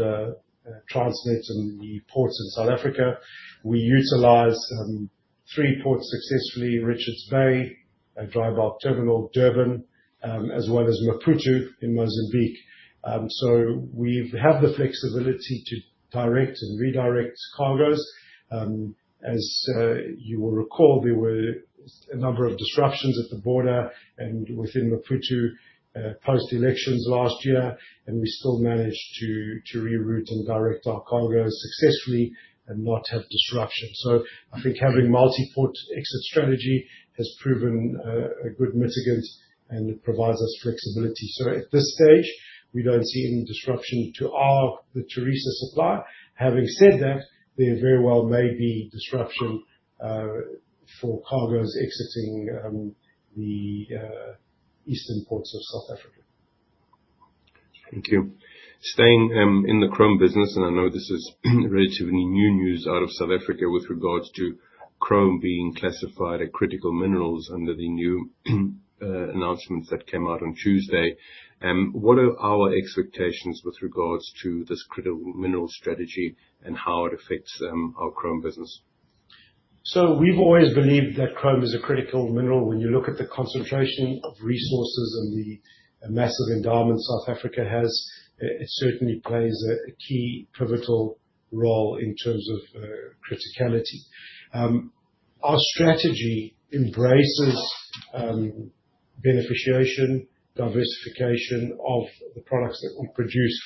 Transnet and the ports in South Africa. We utilize three ports successfully: Richards Bay, a dry bulk terminal, Durban, as well as Maputo in Mozambique. We have the flexibility to direct and redirect cargoes. As you will recall, there were a number of disruptions at the border and within Maputo post-elections last year. We still managed to reroute and direct our cargoes successfully and not have disruption. I think having a multi-port exit strategy has proven a good mitigant and provides us flexibility. At this stage, we do not see any disruption to our Tharisa supply. Having said that, there very well may be disruption for cargoes exiting the eastern ports of South Africa. Thank you. Staying in the chrome business, and I know this is relatively new news out of South Africa with regards to chrome being classified as critical minerals under the new announcements that came out on Tuesday. What are our expectations with regards to this critical mineral strategy and how it affects our chrome business? We have always believed that chrome is a critical mineral. When you look at the concentration of resources and the massive endowment South Africa has, it certainly plays a key pivotal role in terms of criticality. Our strategy embraces beneficiation, diversification of the products that we produce.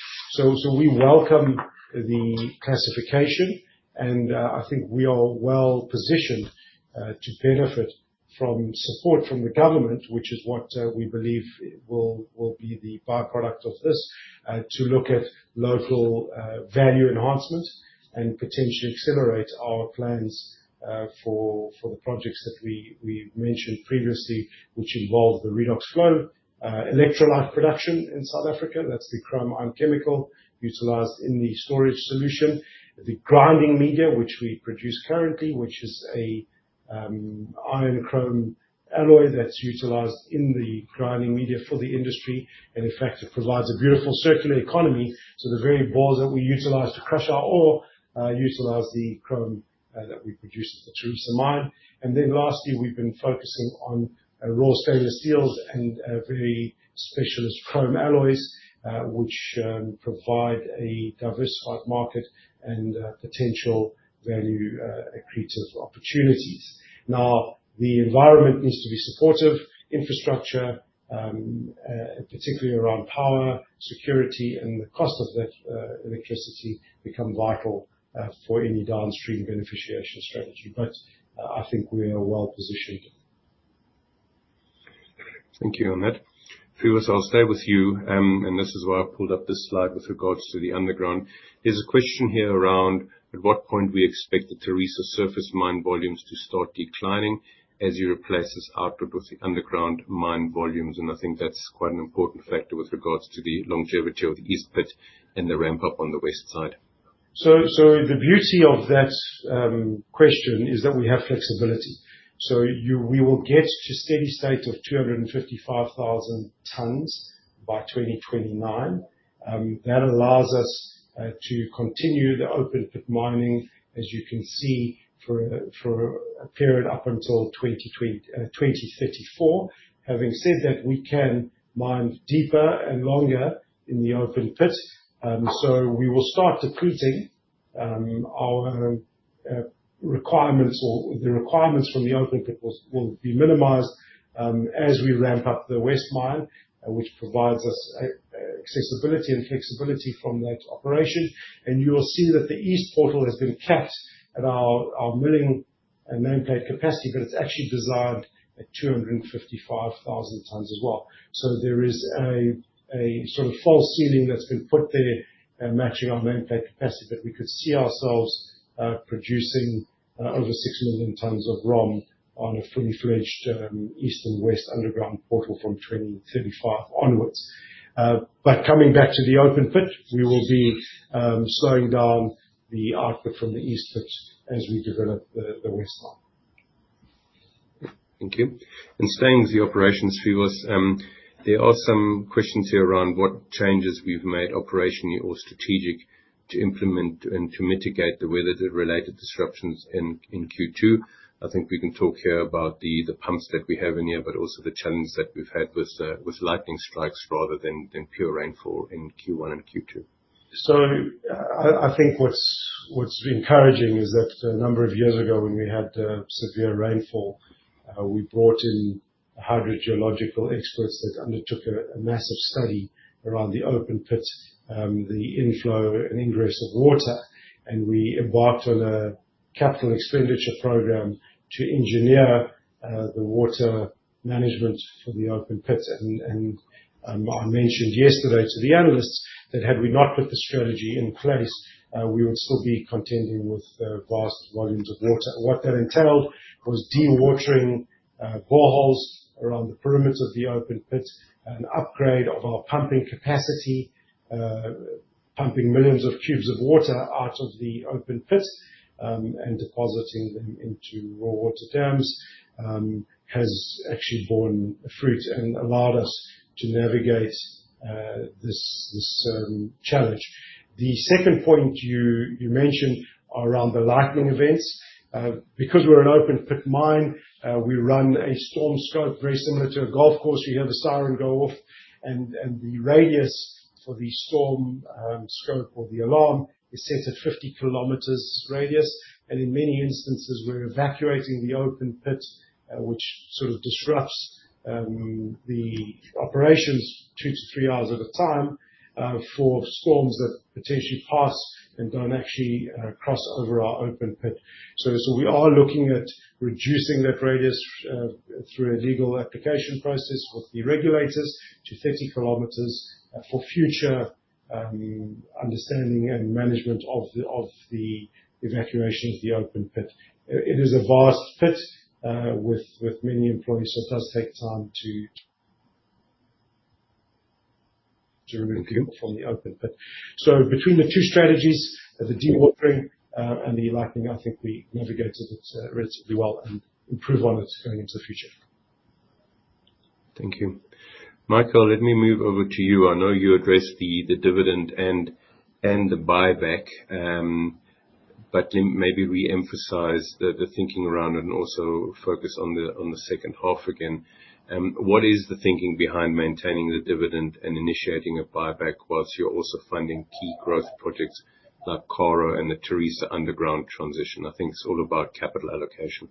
We welcome the classification. I think we are well positioned to benefit from support from the government, which is what we believe will be the byproduct of this, to look at local value enhancement and potentially accelerate our plans for the projects that we mentioned previously, which involve the Redox Flow electrolyte production in South Africa. That is the chrome ion chemical utilized in the storage solution. The grinding media, which we produce currently, is an iron chrome alloy that is utilized in the grinding media for the industry. In fact, it provides a beautiful circular economy. The very balls that we utilize to crush our ore utilize the chrome that we produce at the Tharisa mine. Lastly, we have been focusing on raw stainless steels and very specialist chrome alloys, which provide a diversified market and potential value creative opportunities. Now, the environment needs to be supportive. Infrastructure, particularly around power, security, and the cost of electricity become vital for any downstream beneficiation strategy. I think we are well positioned. Thank you on that. Phoevos, I'll stay with you. This is why I pulled up this slide with regards to the underground. There's a question here around at what point we expect the Tharisa surface mine volumes to start declining as you replace this output with the underground mine volumes. I think that's quite an important factor with regards to the longevity of the east pit and the ramp-up on the west side. The beauty of that question is that we have flexibility. We will get to a steady state of 255,000 tons by 2029. That allows us to continue the open pit mining, as you can see, for a period up until 2034. Having said that, we can mine deeper and longer in the open pit. We will start depleting our requirements, or the requirements from the open pit will be minimized as we ramp up the west mine, which provides us accessibility and flexibility from that operation. You will see that the east portal has been capped at our milling nameplate capacity, but it is actually designed at 255,000 tons as well. There is a sort of false ceiling that has been put there matching our nameplate capacity, but we could see ourselves producing over 6 million tons of ROM on a fully fledged east and west underground portal from 2035 onwards. Coming back to the open pit, we will be slowing down the output from the east pit as we develop the west line. Thank you. Staying with the operations, Phoevos, there are some questions here around what changes we've made operationally or strategic to implement and to mitigate the weather-related disruptions in Q2. I think we can talk here about the pumps that we have in here, but also the challenge that we've had with lightning strikes rather than pure rainfall in Q1 and Q2. I think what's encouraging is that a number of years ago, when we had severe rainfall, we brought in hydrogeological experts that undertook a massive study around the open pit, the inflow and ingress of water. We embarked on a capital expenditure program to engineer the water management for the open pit. I mentioned yesterday to the analysts that had we not put the strategy in place, we would still be contending with vast volumes of water. What that entailed was dewatering boreholes around the perimeter of the open pit, an upgrade of our pumping capacity, pumping millions of cubes of water out of the open pit and depositing them into raw water dams has actually borne fruit and allowed us to navigate this challenge. The second point you mentioned around the lightning events, because we're an open pit mine, we run a storm scope very similar to a golf course. We have a siren go off. The radius for the storm scope or the alarm is set at 50 km radius. In many instances, we're evacuating the open pit, which sort of disrupts the operations two to three hours at a time for storms that potentially pass and do not actually cross over our open pit. We are looking at reducing that radius through a legal application process with the regulators to 30 kilometers for future understanding and management of the evacuation of the open pit. It is a vast pit with many employees, so it does take time to remove people from the open pit. Between the two strategies, the dewatering and the lightning, I think we navigated it relatively well and will improve on it going into the future. Thank you. Michael, let me move over to you. I know you addressed the dividend and the buyback, but maybe re-emphasize the thinking around it and also focus on the second half again. What is the thinking behind maintaining the dividend and initiating a buyback whilst you're also funding key growth projects like Karo and the Tharisa underground transition? I think it's all about capital allocation.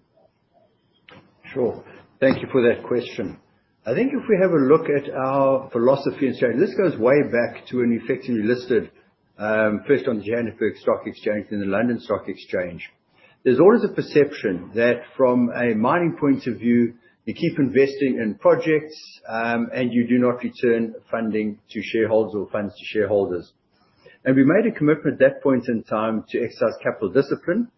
Sure. Thank you for that question. I think if we have a look at our philosophy and strategy, this goes way back to when we effectively listed first on the Johannesburg Stock Exchange and the London Stock Exchange. There's always a perception that from a mining point of view, you keep investing in projects and you do not return funding to shareholders or funds to shareholders. We made a commitment at that point in time to exercise capital discipline.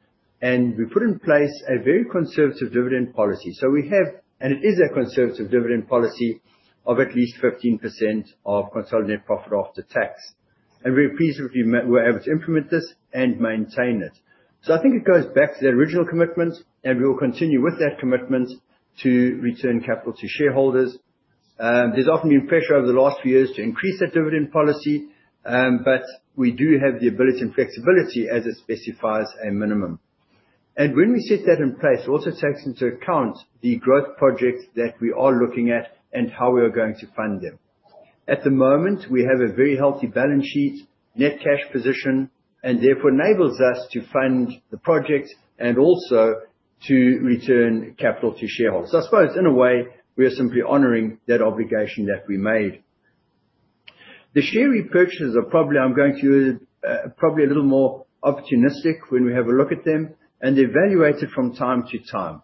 We put in place a very conservative dividend policy. We have, and it is a conservative dividend policy of at least 15% of consolidated profit after tax. We're pleased that we were able to implement this and maintain it. I think it goes back to that original commitment, and we will continue with that commitment to return capital to shareholders. There's often been pressure over the last few years to increase that dividend policy, but we do have the ability and flexibility as it specifies a minimum. When we set that in place, it also takes into account the growth projects that we are looking at and how we are going to fund them. At the moment, we have a very healthy balance sheet, net cash position, and therefore enables us to fund the projects and also to return capital to shareholders. I suppose in a way, we are simply honoring that obligation that we made. The share repurchases are probably a little more opportunistic when we have a look at them, and they're valuated from time to time.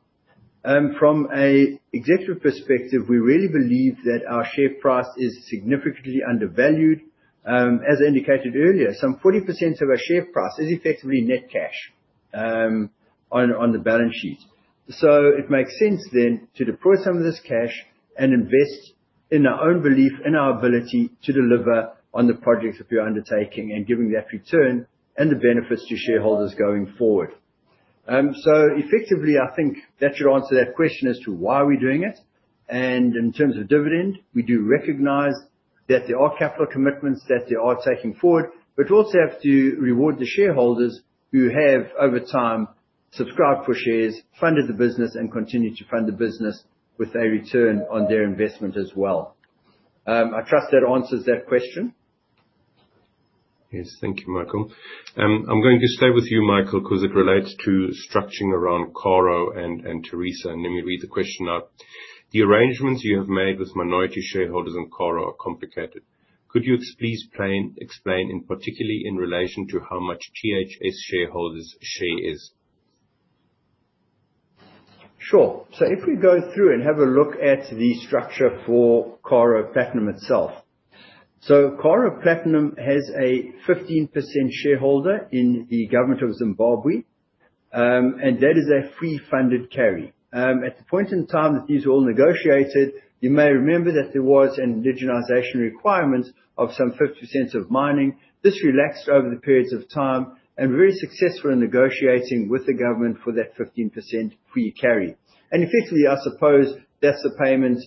From an executive perspective, we really believe that our share price is significantly undervalued. As indicated earlier, some 40% of our share price is effectively net cash on the balance sheet. It makes sense then to deploy some of this cash and invest in our own belief in our ability to deliver on the projects that we are undertaking and giving that return and the benefits to shareholders going forward. Effectively, I think that should answer that question as to why are we doing it. In terms of dividend, we do recognize that there are capital commitments that they are taking forward, but also have to reward the shareholders who have over time subscribed for shares, funded the business, and continue to fund the business with a return on their investment as well. I trust that answers that question. Yes. Thank you, Michael. I'm going to stay with you, Michael, because it relates to structuring around Karo and Tharisa. Let me read the question out. The arrangements you have made with minority shareholders in Karo are complicated. Could you please explain, particularly in relation to how much Tharisa shareholders' share is? Sure. If we go through and have a look at the structure for Karo Platinum itself. Karo Platinum has a 15% shareholder in the government of Zimbabwe. That is a free-funded carry. At the point in time that these were all negotiated, you may remember that there was an indigenization requirement of some 50% of mining. This relaxed over the periods of time and we were very successful in negotiating with the government for that 15% free carry. Effectively, I suppose that is the payment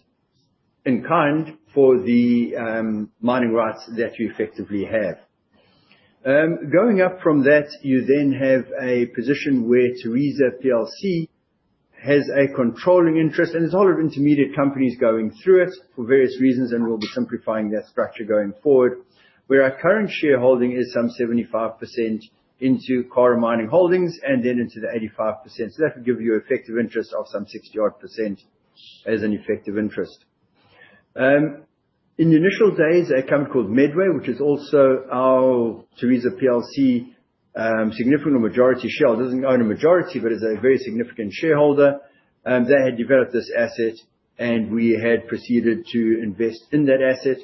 in kind for the mining rights that we effectively have. Going up from that, you then have a position where Tharisa PLC has a controlling interest, and there's a whole lot of intermediate companies going through it for various reasons, and we'll be simplifying that structure going forward, where our current shareholding is some 75% into Karo Mining Holdings and then into the 85%. That would give you an effective interest of some 60-odd % as an effective interest. In the initial days, a company called Medway, which is also our Tharisa PLC significant majority share, doesn't own a majority, but is a very significant shareholder, they had developed this asset, and we had proceeded to invest in that asset.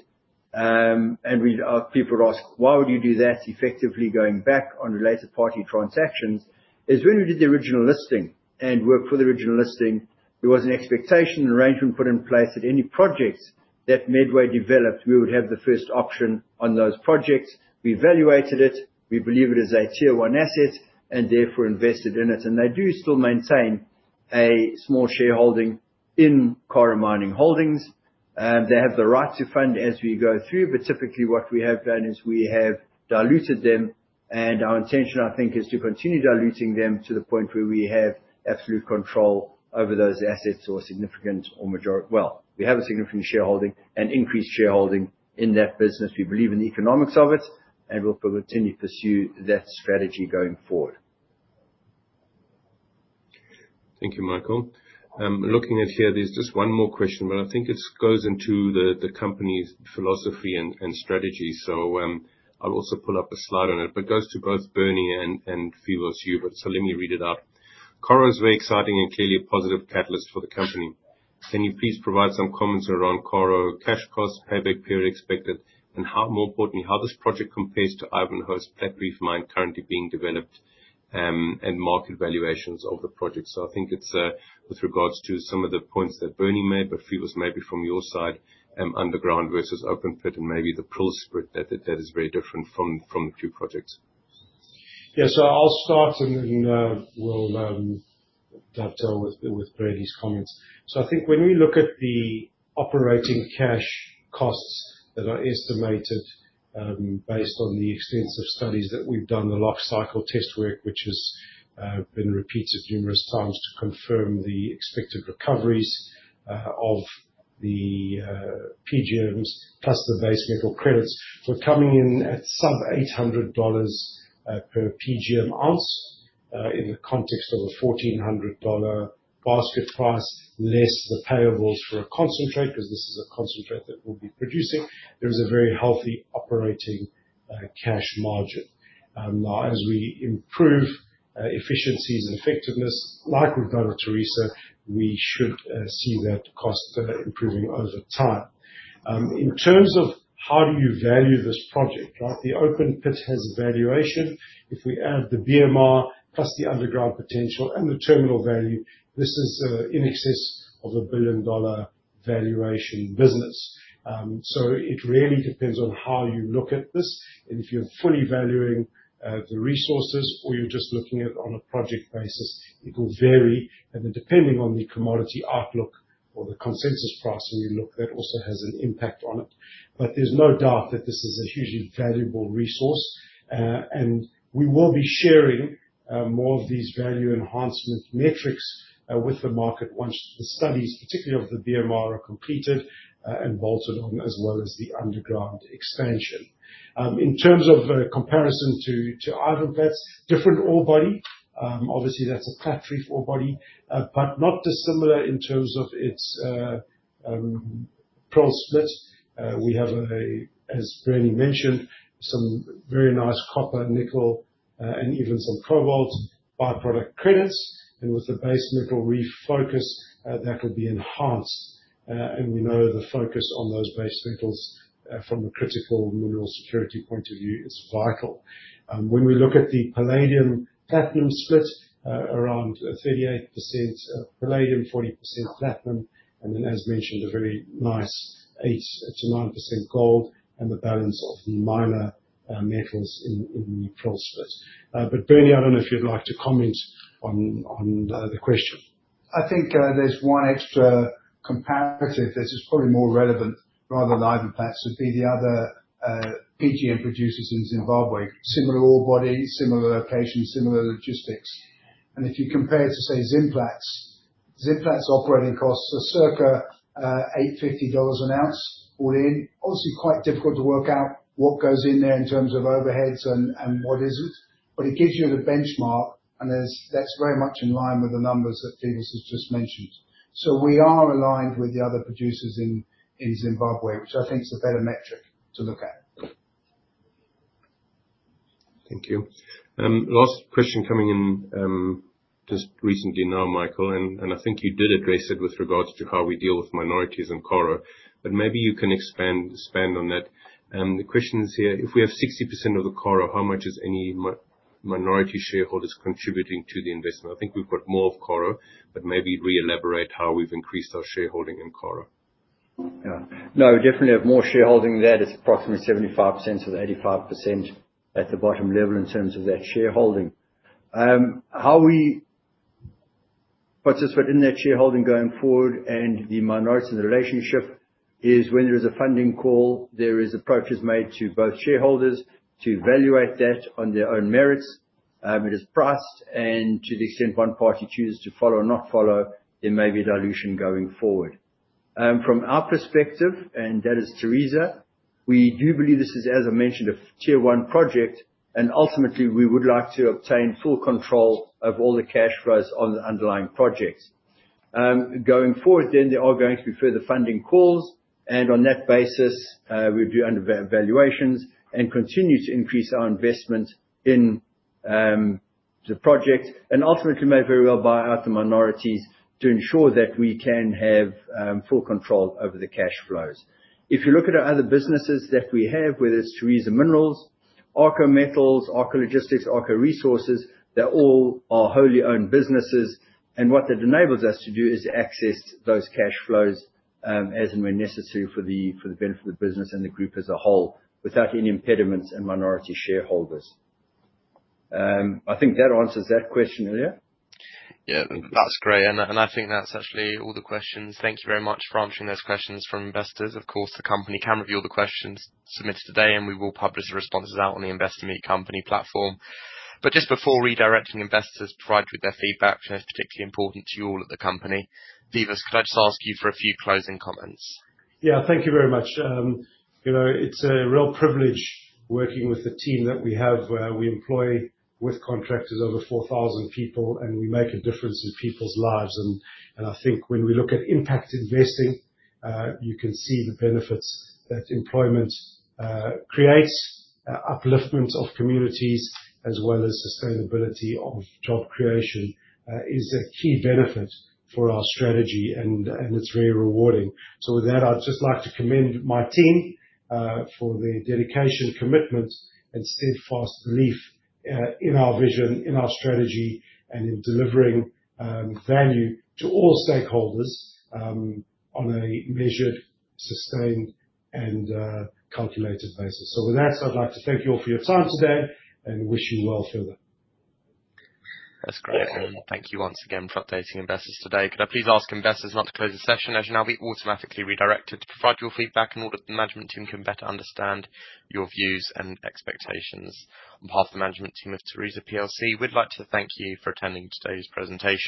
People ask, "Why would you do that?" Effectively, going back on related party transactions is when we did the original listing and worked for the original listing, there was an expectation and arrangement put in place that any projects that Medway developed, we would have the first option on those projects. We evaluated it. We believe it is a tier-one asset and therefore invested in it. They do still maintain a small shareholding in Karo Mining Holdings. They have the right to fund as we go through. Typically, what we have done is we have diluted them. Our intention, I think, is to continue diluting them to the point where we have absolute control over those assets or significant or majority. We have a significant shareholding and increased shareholding in that business. We believe in the economics of it, and we'll continue to pursue that strategy going forward. Thank you, Michael. Looking at here, there's just one more question, but I think it goes into the company's philosophy and strategy. I will also pull up a slide on it, but it goes to both Bernie and Phoevos, you. Let me read it out. Karo is very exciting and clearly a positive catalyst for the company. Can you please provide some comments around Karo cash cost, payback period expected, and more importantly, how this project compares to Ivanplats' Platreef mine currently being developed and market valuations of the project? I think it's with regards to some of the points that Bernie made, but Phoevos, maybe from your side, underground versus open pit and maybe the prospect that is very different from the two projects. Yeah. I'll start and we'll dovetail with Bernie's comments. I think when we look at the operating cash costs that are estimated based on the extensive studies that we've done, the lifecycle test work, which has been repeated numerous times to confirm the expected recoveries of the PGMs plus the base metal credits, we're coming in at sub-$800 per PGM ounce in the context of a $1,400 basket price less the payables for a concentrate, because this is a concentrate that we'll be producing. There is a very healthy operating cash margin. Now, as we improve efficiencies and effectiveness, like we've done with Tharisa, we should see that cost improving over time. In terms of how do you value this project, right? The open pit has a valuation. If we add the BMR plus the underground potential and the terminal value, this is in excess of a billion-dollar valuation business. It really depends on how you look at this. If you're fully valuing the resources or you're just looking at it on a project basis, it will vary. Depending on the commodity outlook or the consensus price when you look, that also has an impact on it. There's no doubt that this is a hugely valuable resource. We will be sharing more of these value enhancement metrics with the market once the studies, particularly of the BMR, are completed and bolted on, as well as the underground expansion. In terms of comparison to Ivanplats, different ore body. Obviously, that's a plat reef ore body, but not dissimilar in terms of its pearl split. We have, as Bernie mentioned, some very nice copper, nickel, and even some cobalt byproduct credits. With the base metal refocus, that will be enhanced. We know the focus on those base metals from a critical mineral security point of view is vital. When we look at the palladium-platinum split, around 38% palladium, 40% platinum, and then, as mentioned, a very nice 8%-9% gold and the balance of the minor metals in the pearl split. Bernie, I do not know if you would like to comment on the question. I think there is one extra comparative that is probably more relevant rather than Ivanplats would be the other PGM producers in Zimbabwe. Similar ore body, similar location, similar logistics. If you compare it to, say, Zimplats, Zimplats' operating costs are circa $850 an ounce all in. Obviously, quite difficult to work out what goes in there in terms of overheads and what isn't. But it gives you the benchmark, and that's very much in line with the numbers that Phoevos has just mentioned. So we are aligned with the other producers in Zimbabwe, which I think is a better metric to look at. Thank you. Last question coming in just recently now, Michael, and I think you did address it with regards to how we deal with minorities in Karo, but maybe you can expand on that. The question is here, if we have 60% of the Karo, how much is any minority shareholders contributing to the investment? I think we've got more of Karo, but maybe re-elaborate how we've increased our shareholding in Karo. Yeah. No, we definitely have more shareholding there. It's approximately 75%-85% at the bottom level in terms of that shareholding. How we participate in that shareholding going forward and the minorities in the relationship is when there is a funding call, there are approaches made to both shareholders to evaluate that on their own merits. It is priced, and to the extent one party chooses to follow or not follow, there may be a dilution going forward. From our perspective, and that is Tharisa, we do believe this is, as I mentioned, a tier-one project, and ultimately, we would like to obtain full control of all the cash flows on the underlying projects. Going forward, then there are going to be further funding calls, and on that basis, we do undervaluations and continue to increase our investment in the project and ultimately may very well buy out the minorities to ensure that we can have full control over the cash flows. If you look at our other businesses that we have, whether it's Tharisa Minerals, Arxo Metals, Arxo Logistics, Arxo Resources, they all are wholly owned businesses. What that enables us to do is access those cash flows as and when necessary for the benefit of the business and the group as a whole without any impediments and minority shareholders. I think that answers that question, Ilja. Yeah. That's great. I think that's actually all the questions. Thank you very much for answering those questions from investors. Of course, the company can review all the questions submitted today, and we will publish the responses out on the Investor Meet Company platform. Just before redirecting investors to provide you with their feedback, which is particularly important to you all at the company, Phoevos, could I just ask you for a few closing comments? Yeah. Thank you very much. It's a real privilege working with the team that we have. We employ with contractors over 4,000 people, and we make a difference in people's lives. I think when we look at impact investing, you can see the benefits that employment creates, upliftment of communities, as well as sustainability of job creation is a key benefit for our strategy, and it's very rewarding. With that, I'd just like to commend my team for their dedication, commitment, and steadfast belief in our vision, in our strategy, and in delivering value to all stakeholders on a measured, sustained, and calculated basis. With that, I'd like to thank you all for your time today and wish you well further. That's great. Thank you once again for updating investors today. Could I please ask investors not to close the session as you will now be automatically redirected to provide your feedback in order for the management team to better understand your views and expectations? On behalf of the management team of Tharisa, we'd like to thank you for attending today's presentation.